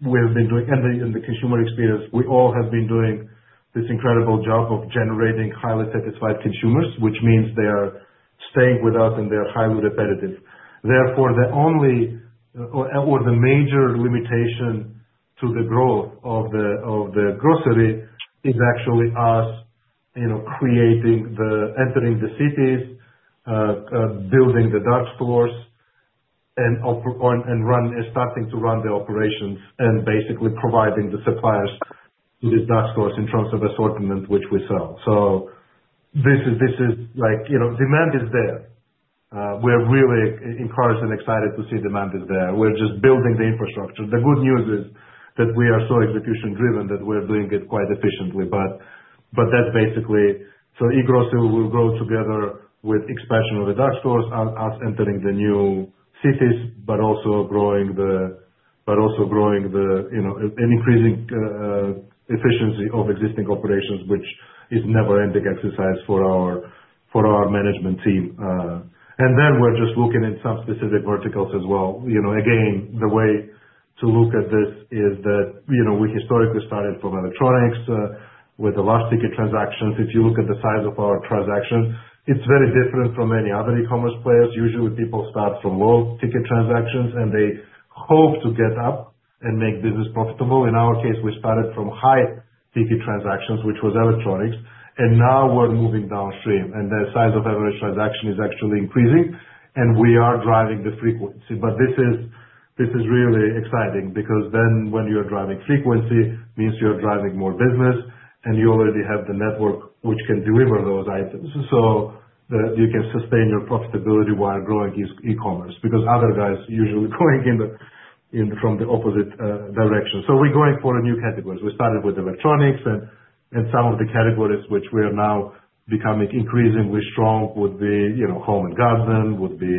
we have been doing and the consumer experience. We all have been doing this incredible job of generating highly satisfied consumers, which means they are staying with us and they are highly repetitive. Therefore, the only or the major limitation to the growth of the grocery is actually us creating, entering the cities, building the dark stores, and starting to run the operations and basically providing the suppliers to these dark stores in terms of assortment, which we sell. So this is demand is there. We're really encouraged and excited to see demand is there. We're just building the infrastructure. The good news is that we are so execution-driven that we're doing it quite efficiently. But that's basically so e-grocery will grow together with expansion of the dark stores, us entering the new cities, but also growing and increasing efficiency of existing operations, which is a never-ending exercise for our management team. And then we're just looking at some specific verticals as well. Again, the way to look at this is that we historically started from electronics with the high-ticket transactions. If you look at the size of our transactions, it's very different from any other e-commerce players. Usually, people start from low-ticket transactions, and they hope to get up and make business profitable. In our case, we started from high-ticket transactions, which was electronics. And now we're moving downstream. And the size of average transaction is actually increasing, and we are driving the frequency. But this is really exciting because then when you're driving frequency means you're driving more business, and you already have the network which can deliver those items. So you can sustain your profitability while growing e-commerce because other guys are usually going from the opposite direction. So we're going for a new category. We started with electronics, and some of the categories which we are now becoming increasingly strong would be home and garden, would be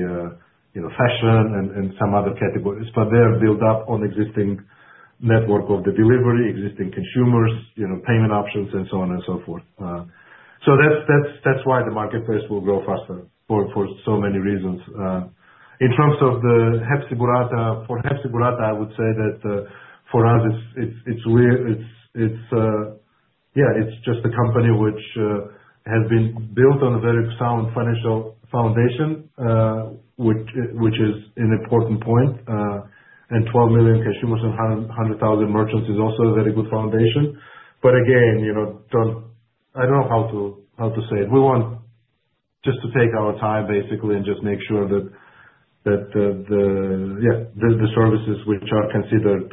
fashion, and some other categories. But they are built up on the existing network of the delivery, existing consumers, payment options, and so on and so forth. So that's why the Marketplace will grow faster for so many reasons. In terms of Hepsiburada, for Hepsiburada, I would say that for us, it's yeah, it's just a company which has been built on a very sound financial foundation, which is an important point, and 12 million consumers and 100,000 merchants is also a very good foundation, but again, I don't know how to say it. We want just to take our time, basically, and just make sure that, yeah, the services which are considered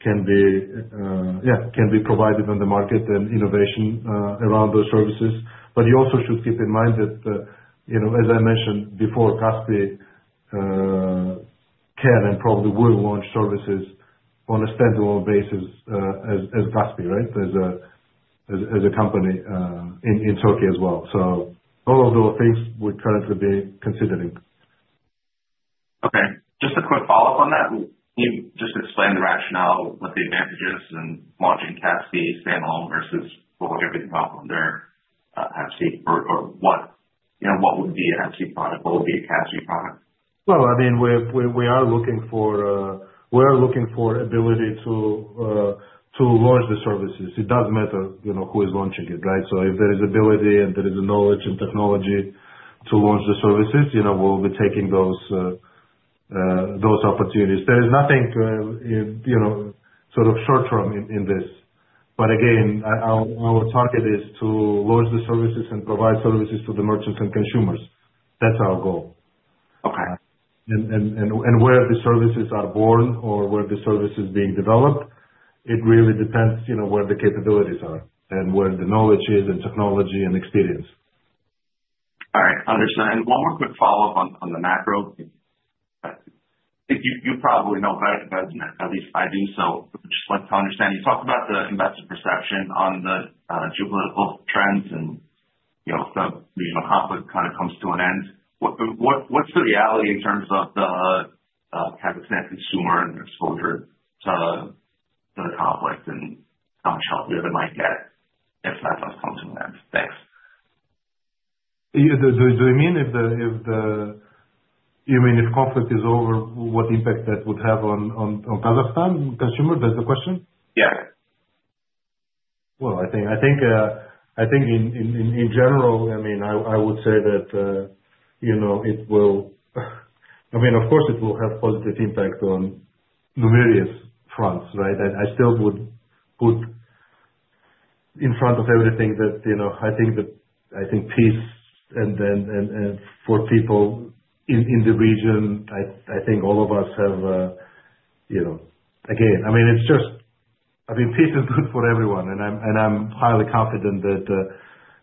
can be provided on the market and innovation around those services, but you also should keep in mind that, as I mentioned before, Kaspi can and probably will launch services on a standalone basis as Kaspi, right, as a company in Turkey as well, so all of those things would currently be considering. Okay. Just a quick follow-up on that. Can you just explain the rationale, what the advantage is in launching Kaspi standalone versus pulling everything off under Hepsiburada or what would be a Hepsiburada product? What would be a Kaspi product? Well, I mean, we are looking for the ability to launch the services. It does matter who is launching it, right? So if there is ability and there is knowledge and technology to launch the services, we'll be taking those opportunities. There is nothing sort of short-term in this. But again, our target is to launch the services and provide services to the merchants and consumers. That's our goal. And where the services are born or where the service is being developed, it really depends where the capabilities are and where the knowledge is and technology and experience. All right. Understood. And one more quick follow-up on the macro. You probably know better than at least I do, so I just want to understand. You talked about the investor perception on the geopolitical trends and the regional conflict kind of comes to an end. What's the reality in terms of the Kazakhstan consumer and exposure to the conflict and how much help the other might get if that does come to an end? Thanks. Do you mean if conflict is over, what impact that would have on Kazakhstan consumers? That's the question? Yeah. Well, I think in general, I mean, I would say that it will, I mean, of course, it will have a positive impact on numerous fronts, right? I still would put in front of everything that I think peace and for people in the region. I think all of us have again, I mean, it's just, I mean, peace is good for everyone, and I'm highly confident that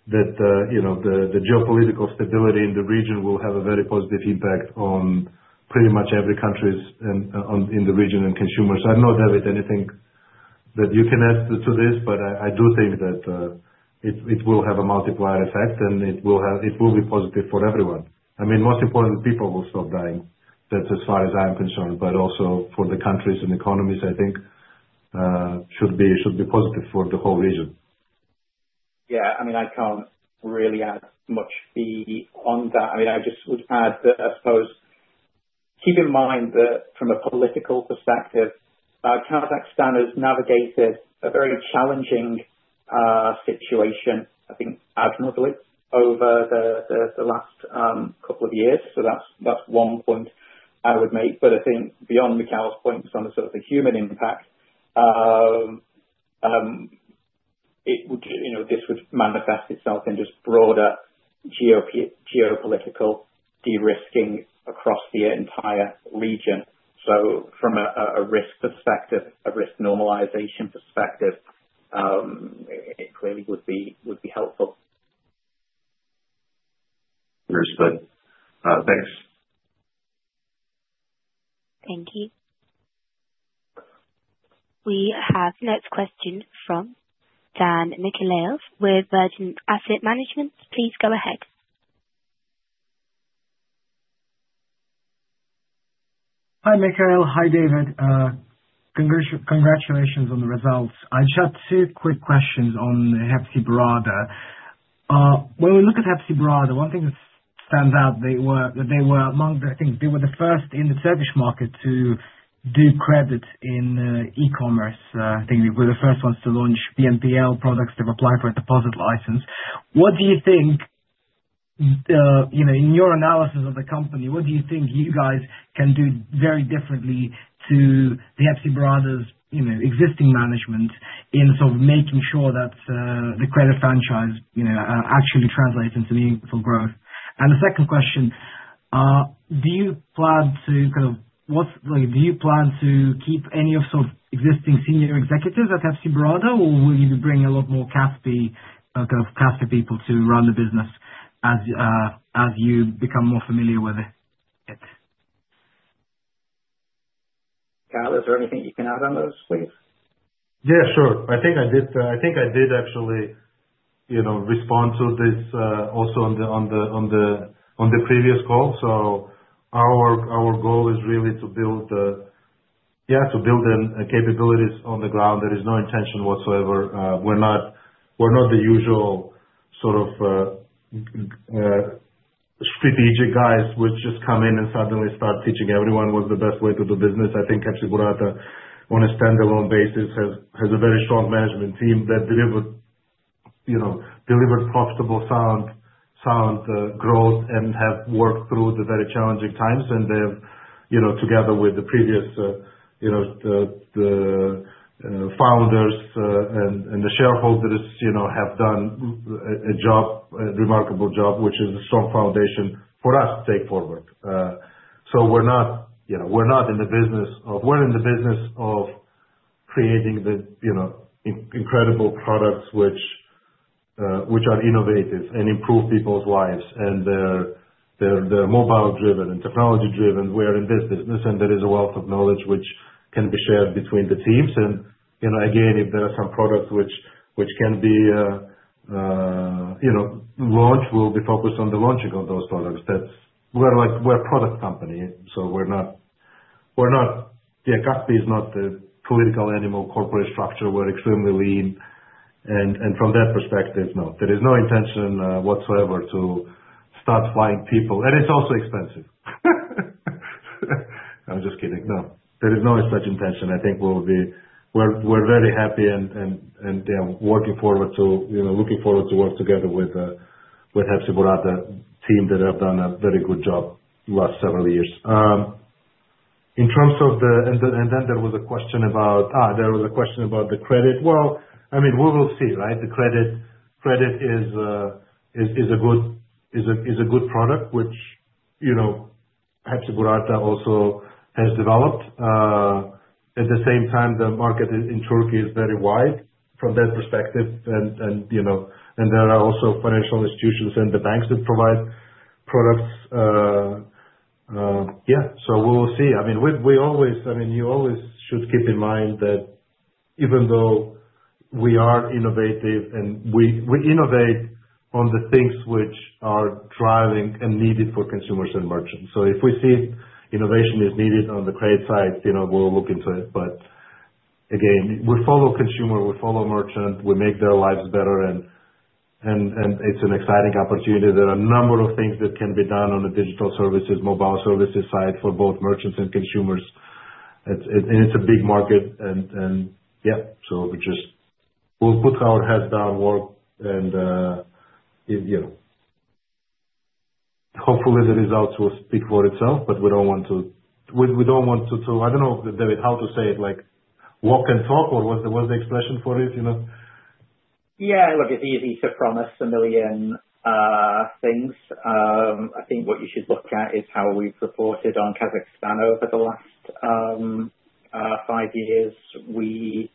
the geopolitical stability in the region will have a very positive impact on pretty much every country in the region and consumers. I don't know, David, anything that you can add to this, but I do think that it will have a multiplier effect, and it will be positive for everyone. I mean, most importantly, people will stop dying. That's as far as I'm concerned, but also for the countries and economies, I think should be positive for the whole region. Yeah. I mean, I can't really add much beyond that. I mean, I just would add that I suppose keep in mind that from a political perspective, Kazakhstan has navigated a very challenging situation, I think, admirably over the last couple of years. So that's one point I would make. But I think beyond Mikhail's points on the sort of the human impact, this would manifest itself in just broader geopolitical de-risking across the entire region. So from a risk perspective, a risk normalization perspective, it clearly would be helpful. Understood. Thanks. Thank you. We have next question from Dan Michailov with Vergent Asset Management. Please go ahead. Hi, Mikhail. Hi, David. Congratulations on the results. I just have two quick questions on Hepsiburada. When we look at Hepsiburada, one thing that stands out, they were among the I think they were the first in the Turkish market to do credit in e-commerce. I think they were the first ones to launch BNPL products. They've applied for a deposit license. What do you think in your analysis of the company, what do you think you guys can do very differently to the Hepsiburada's existing management in sort of making sure that the credit franchise actually translates into meaningful growth? And the second question, do you plan to kind of do you plan to keep any of sort of existing senior executives at Hepsiburada, or will you be bringing a lot more Kaspi people to run the business as you become more familiar with it? Mikhail, is there anything you can add on those, please? Yeah, sure. I think I did actually respond to this also on the previous call. So our goal is really to build in capabilities on the ground. There is no intention whatsoever. We're not the usual sort of strategic guys which just come in and suddenly start teaching everyone what's the best way to do business. I think Hepsiburada, on a standalone basis, has a very strong management team that delivered profitable, sound growth and have worked through the very challenging times. And they have, together with the previous founders and the shareholders, have done a job, a remarkable job, which is a strong foundation for us to take forward. So we're not in the business of we're in the business of creating the incredible products which are innovative and improve people's lives. And they're mobile-driven and technology-driven. We are in this business, and there is a wealth of knowledge which can be shared between the teams. Again, if there are some products which can be launched, we'll be focused on the launching of those products. We're a product company. So we're not yeah, Kaspi is not a political animal corporate structure. We're extremely lean. From that perspective, no, there is no intention whatsoever to start flying people. It's also expensive. I'm just kidding. No. There is no such intention. I think we're very happy and looking forward to working together with the Hepsiburada team that have done a very good job the last several years. In terms of the and then there was a question about the credit. I mean, we will see, right? The credit is a good product which Hepsiburada also has developed. At the same time, the market in Turkey is very wide from that perspective. There are also financial institutions and the banks that provide products. Yeah. So we will see. I mean, you always should keep in mind that even though we are innovative and we innovate on the things which are driving and needed for consumers and merchants. So if we see innovation is needed on the credit side, we'll look into it. But again, we follow consumer. We follow merchant. We make their lives better. And it's an exciting opportunity. There are a number of things that can be done on the digital services, mobile services side for both merchants and consumers. And it's a big market. And yeah, so we'll put our heads down, work, and hopefully, the results will speak for itself. But we don't want to. I don't know, David, how to say it, walk and talk, or what's the expression for it? Yeah. Look, it's easy to promise a million things. I think what you should look at is how we've reported on Kazakhstan over the last five years. We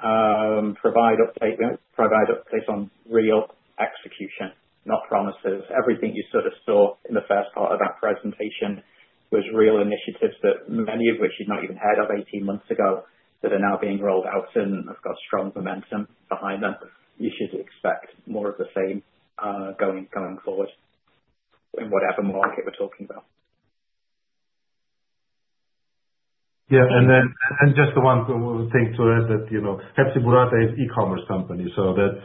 provide updates on real execution, not promises. Everything you sort of saw in the first part of that presentation was real initiatives, many of which you'd not even heard of 18 months ago that are now being rolled out and have got strong momentum behind them. You should expect more of the same going forward in whatever market we're talking about. Yeah. And then just the one thing to add that Hepsiburada is an e-commerce company. So that's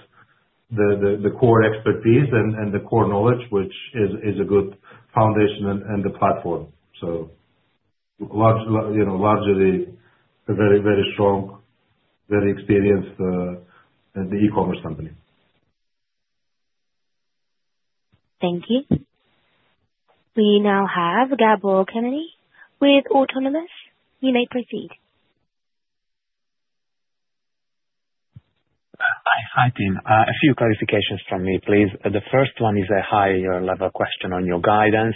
the core expertise and the core knowledge, which is a good foundation and the platform. So largely a very, very strong, very experienced e-commerce company. Thank you. We now have Gabor Kemeny with Autonomous Research. You may proceed. Hi, team. A few clarifications from me, please. The first one is a higher-level question on your guidance.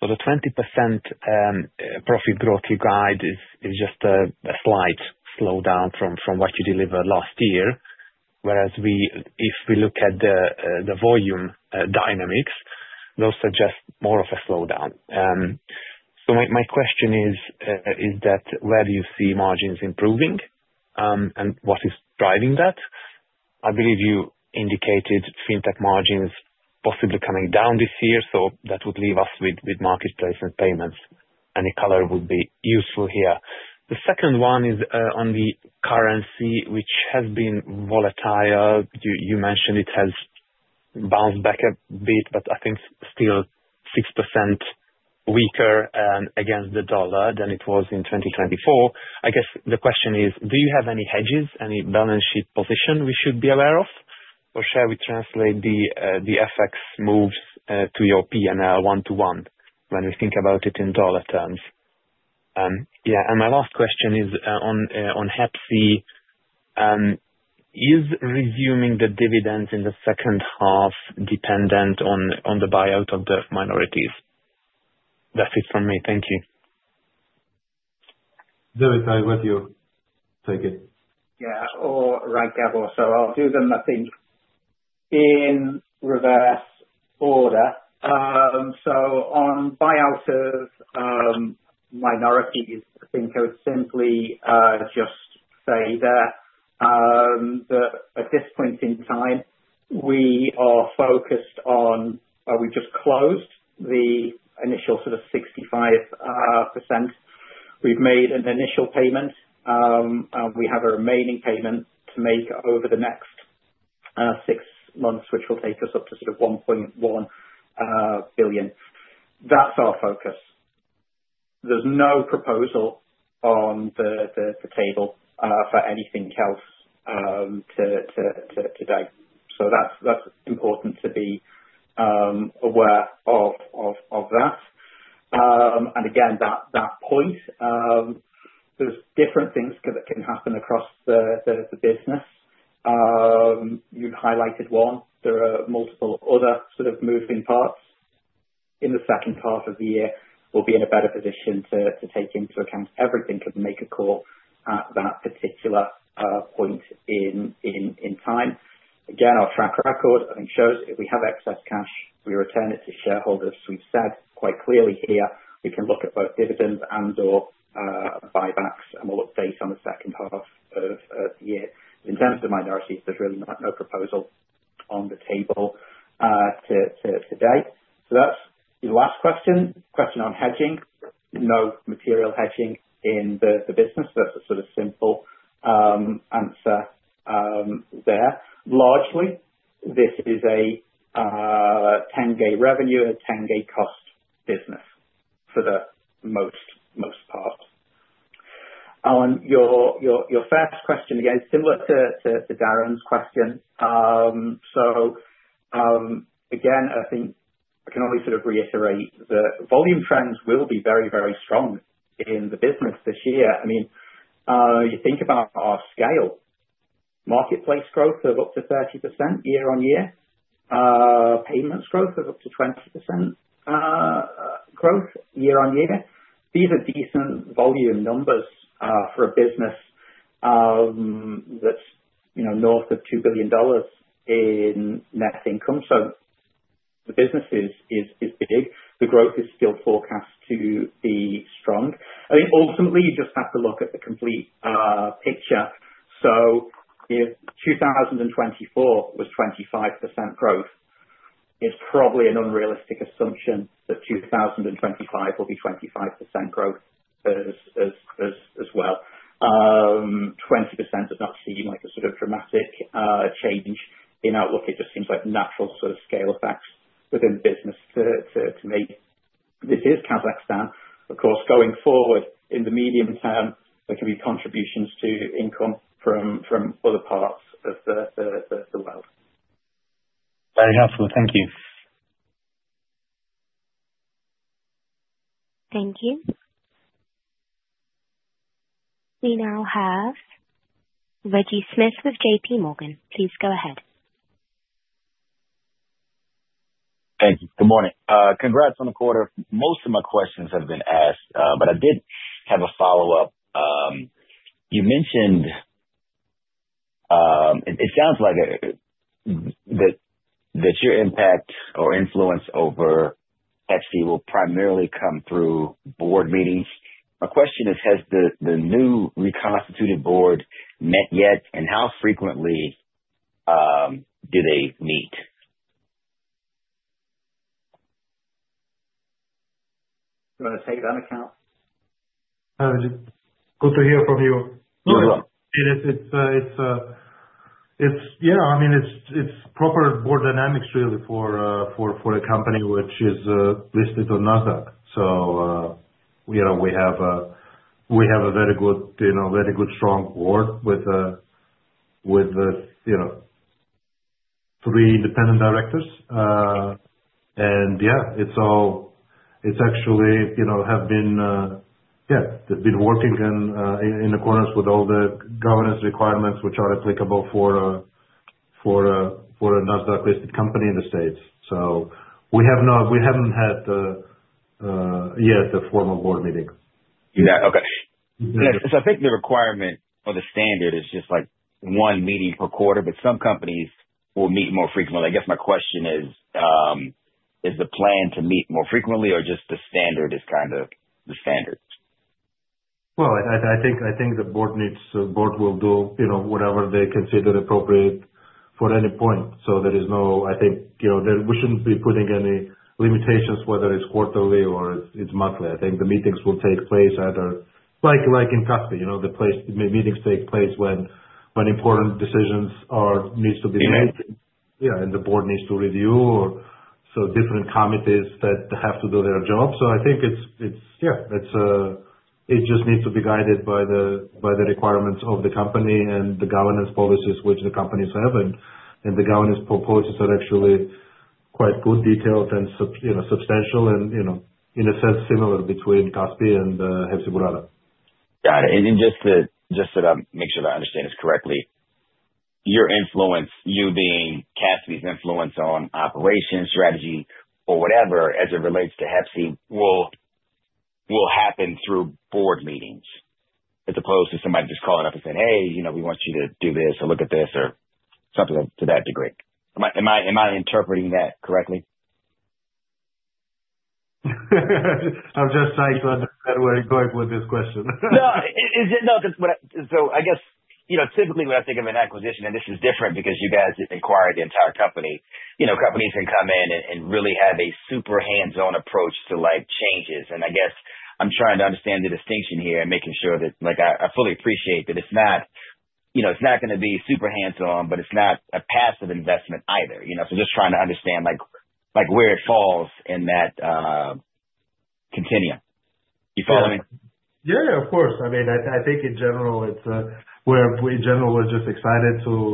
So the 20% profit growth you guide is just a slight slowdown from what you delivered last year. Whereas if we look at the volume dynamics, those suggest more of a slowdown. So my question is, where do you see margins improving and what is driving that? I believe you indicated FinTech margins possibly coming down this year. So that would leave us with Marketplace and Payments. Any color would be useful here. The second one is on the currency, which has been volatile. You mentioned it has bounced back a bit, but I think still 6% weaker against the dollar than it was in 2024. I guess the question is, do you have any hedges, any balance sheet position we should be aware of? Or shall we translate the FX moves to your P&L one-to-one when we think about it in dollar terms? Yeah. And my last question is on Hepsiburada. Is resuming the dividends in the second half dependent on the buyout of the minorities? That's it from me. Thank you. David, I'll let you take it. Yeah. All right, Gabor. So I'll do them, I think, in reverse order. So on buyout of minorities, I think I would simply just say that at this point in time, we are focused on we just closed the initial sort of 65%. We've made an initial payment. We have a remaining payment to make over the next six months, which will take us up to sort of $1.1 billion. That's our focus. There's no proposal on the table for anything else today. So that's important to be aware of that. And again, that point, there's different things that can happen across the business. You highlighted one. There are multiple other sort of moving parts. In the second half of the year, we'll be in a better position to take into account everything and make a call at that particular point in time. Again, our track record, I think, shows if we have excess cash, we return it to shareholders. We've said quite clearly here, we can look at both dividends and/or buybacks, and we'll update on the second half of the year. In terms of minorities, there's really no proposal on the table today. So that's the last question. Question on hedging. No material hedging in the business. That's a sort of simple answer there. Largely, this is a tenge revenue and a tenge cost business for the most part. Your first question, again, similar to Darrin's question. So again, I think I can only sort of reiterate that volume trends will be very, very strong in the business this year. I mean, you think about our scale, Marketplace growth of up to 30% year-on-year, Payments growth of up to 20% growth year-on-year. These are decent volume numbers for a business that's north of $2 billion in net income. So the business is big. The growth is still forecast to be strong. I think ultimately, you just have to look at the complete picture. So if 2024 was 25% growth, it's probably an unrealistic assumption that 2025 will be 25% growth as well. 20% does not seem like a sort of dramatic change in outlook. It just seems like natural sort of scale effects within the business to make. This is Kazakhstan. Of course, going forward in the medium term, there can be contributions to income from other parts of the world. Very helpful. Thank you. Thank you. We now have Reggie Smith with JPMorgan. Please go ahead. Thank you. Good morning. Congrats on the quarter. Most of my questions have been asked, but I did have a follow-up. You mentioned it sounds like that your impact or influence over Hepsiburada will primarily come through board meetings. My question is, has the new reconstituted board met yet, and how frequently do they meet? Do you want to take that? I'd like to hear from you. Yeah. It's, I mean, it's proper board dynamics really for a company which is listed on NASDAQ. We have a very good, very good, strong board with three independent directors, and yeah, it's actually have been, yeah, they've been working in accordance with all the governance requirements which are applicable for a NASDAQ-listed company in the States. We haven't had yet a formal board meeting. Yeah. Okay. I think the requirement or the standard is just one meeting per quarter, but some companies will meet more frequently. I guess my question is, is the plan to meet more frequently, or just the standard is kind of the standard? Well, I think the board will do whatever they consider appropriate for any point. There is no, I think we shouldn't be putting any limitations, whether it's quarterly or it's monthly. I think the meetings will take place either like in Kaspi, the meetings take place when important decisions need to be made. Yeah. And the board needs to review, or so, different committees that have to do their job. So I think it's yeah, it just needs to be guided by the requirements of the company and the governance policies which the companies have. And the governance policies are actually quite good, detailed, and substantial, and in a sense, similar between Kaspi and Hepsiburada. Got it. And just to make sure that I understand this correctly, your influence, you being Kaspi's influence on operations, strategy, or whatever as it relates to Hepsiburada will happen through board meetings as opposed to somebody just calling up and saying, "Hey, we want you to do this or look at this," or something to that degree. Am I interpreting that correctly? I'm just trying to understand where you're going with this question. No. So I guess typically when I think of an acquisition, and this is different because you guys acquire the entire company, companies can come in and really have a super hands-on approach to changes. And I guess I'm trying to understand the distinction here and making sure that I fully appreciate that it's not going to be super hands-on, but it's not a passive investment either. So just trying to understand where it falls in that continuum. You follow me? Yeah. Yeah. Of course. I mean, I think in general, we're just excited to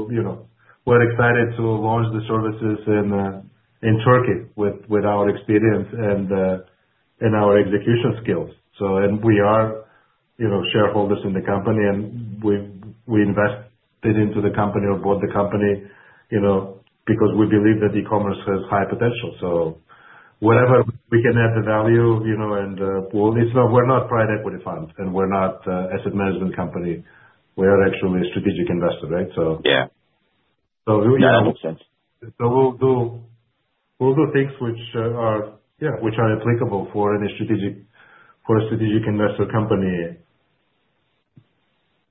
launch the services in Turkey with our experience and our execution skills. And we are shareholders in the company, and we invested into the company or bought the company because we believe that e-commerce has high potential. So whatever we can add to value, and we're not private equity funds, and we're not an asset management company. We are actually a strategic investor, right? So yeah. So we'll do things which are yeah, which are applicable for a strategic investor company.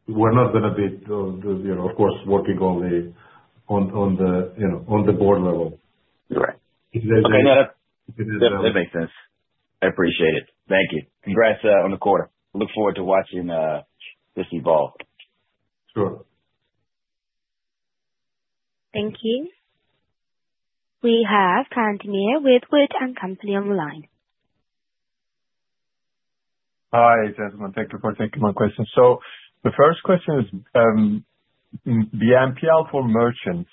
We're not going to be, of course, working only on the board level. Right. Okay. That makes sense. I appreciate it. Thank you. Congrats on the quarter. Look forward to watching this evolve. Sure. Thank you. We have Can Demir with Wood & Company on the line. Hi, Gentlemen. Thank you for taking my question. So the first question is, the BNPL for merchants,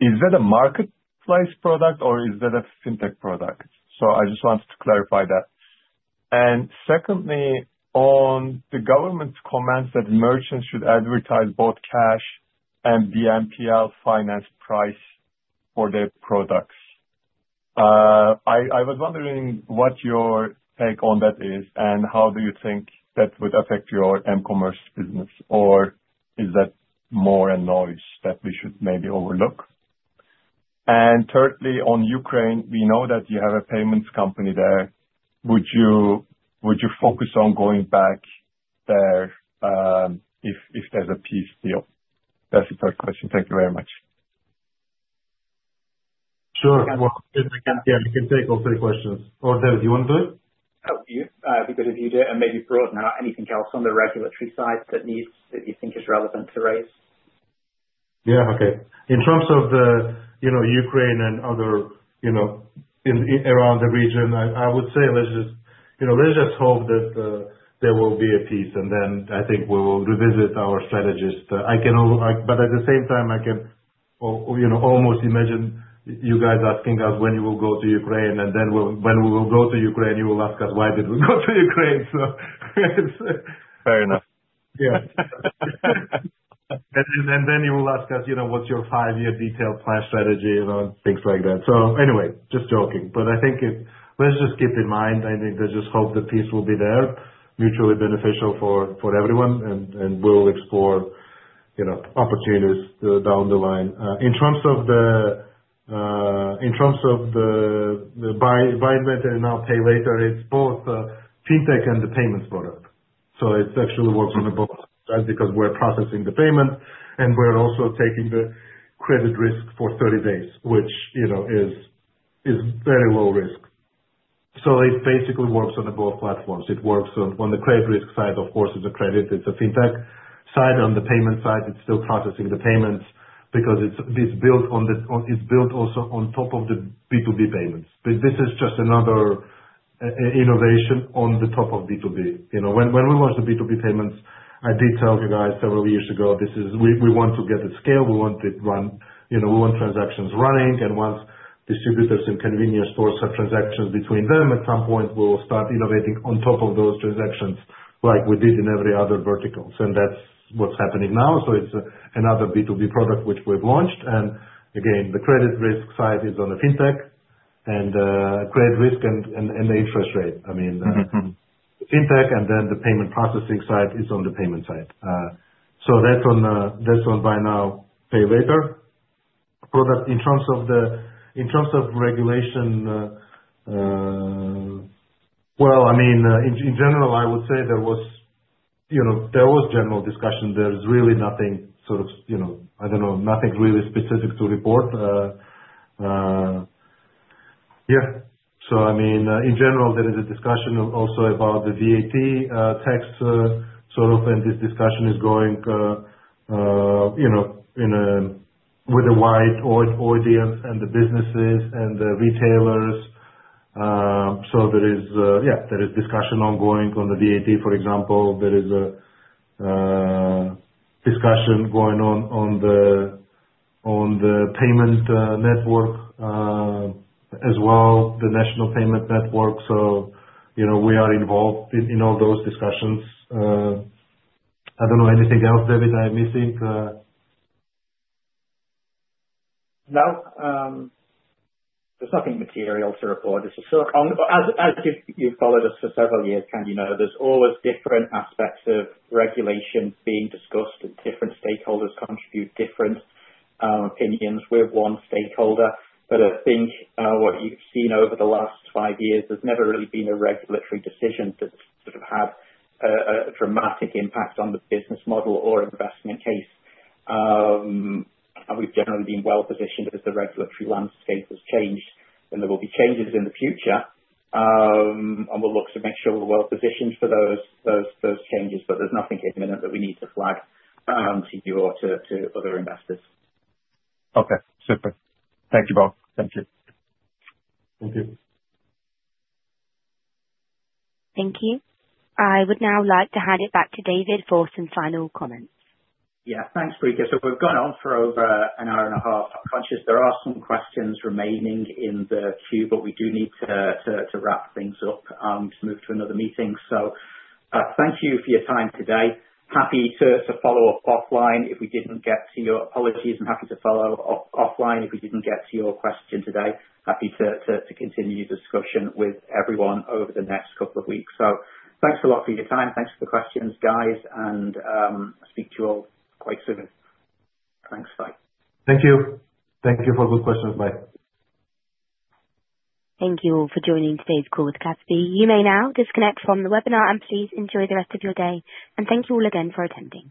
is that a Marketplace product, or is that a FinTech product? So I just wanted to clarify that. And secondly, on the government's comments that merchants should advertise both cash and the BNPL finance price for their products, I was wondering what your take on that is, and how do you think that would affect your m-commerce business, or is that more a noise that we should maybe overlook? And thirdly, on Ukraine, we know that you have a Payments company there. Would you focus on going back there if there's a peace deal? That's the first question. Thank you very much. Sure. Well, again, yeah, you can take all three questions. Or, David, do you want to do it? Because if you do, and maybe broaden out anything else on the regulatory side that you think is relevant to raise. Yeah. Okay. In terms of Ukraine and others around the region, I would say let's just hope that there will be a peace, and then I think we will revisit our strategies. But at the same time, I can almost imagine you guys asking us when we will go to Ukraine, and then when we will go to Ukraine, you will ask us, "Why did we go to Ukraine?" Fair enough. Yeah. And then you will ask us, "What's your five-year detailed plan strategy?" and things like that. So anyway, just joking. But I think let's just keep in mind, I think let's just hope the peace will be there, mutually beneficial for everyone, and we'll explore opportunities down the line. In terms of the buy now and pay later, it's both FinTech and the Payments product. So it actually works on both sides because we're processing the payment, and we're also taking the credit risk for 30 days, which is very low risk. So it basically works on both platforms. It works on the credit risk side, of course, it's a credit. It's a FinTech side. On the payment side, it's still processing the Payments because it's built also on top of the B2B Payments. But this is just another innovation on the top of B2B. When we launched the B2B Payments, I did tell you guys several years ago, we want to get the scale. We want transactions running. And once distributors and convenience stores have transactions between them, at some point, we will start innovating on top of those transactions like we did in every other vertical. And that's what's happening now. So it's another B2B product which we've launched. And again, the credit risk side is on the FinTech and credit risk and the interest rate. I mean, the FinTech and then the payment processing side is on the payment side. So that's on buy now, pay later. But in terms of regulation, well, I mean, in general, I would say there was general discussion. There's really nothing sort of, I don't know, nothing really specific to report. Yeah. So I mean, in general, there is a discussion also about the VAT tax sort of, and this discussion is going with a wide audience and the businesses and the retailers. So yeah, there is discussion ongoing on the VAT, for example. There is a discussion going on the payment network as well, the national payment network. So we are involved in all those discussions. I don't know. Anything else, David, I'm missing? No. There's nothing material to report. As you've followed us for several years, Ken, there's always different aspects of regulation being discussed. Different stakeholders contribute different opinions. We're one stakeholder. But I think what you've seen over the last five years, there's never really been a regulatory decision that's sort of had a dramatic impact on the business model or investment case. We've generally been well-positioned as the regulatory landscape has changed, and there will be changes in the future. And we'll look to make sure we're well-positioned for those changes, but there's nothing imminent that we need to flag to you or to other investors. Okay. Super. Thank you both. Thank you. Thank you. Thank you. I would now like to hand it back to David for some final comments. Yeah. Thanks, Bridget. So we've gone on for over an hour and a half. I'm conscious there are some questions remaining in the queue, but we do need to wrap things up to move to another meeting. So thank you for your time today. Happy to follow up offline if we didn't get to your question. Apologies, and happy to follow up offline if we didn't get to your question today. Happy to continue discussion with everyone over the next couple of weeks. So thanks a lot for your time. Thanks for the questions, guys, and speak to you all quite soon. Thanks. Bye. Thank you. Thank you for good questions. Bye. Thank you all for joining today's call with Kaspi.kz. You may now disconnect from the webinar, and please enjoy the rest of your day, and thank you all again for attending.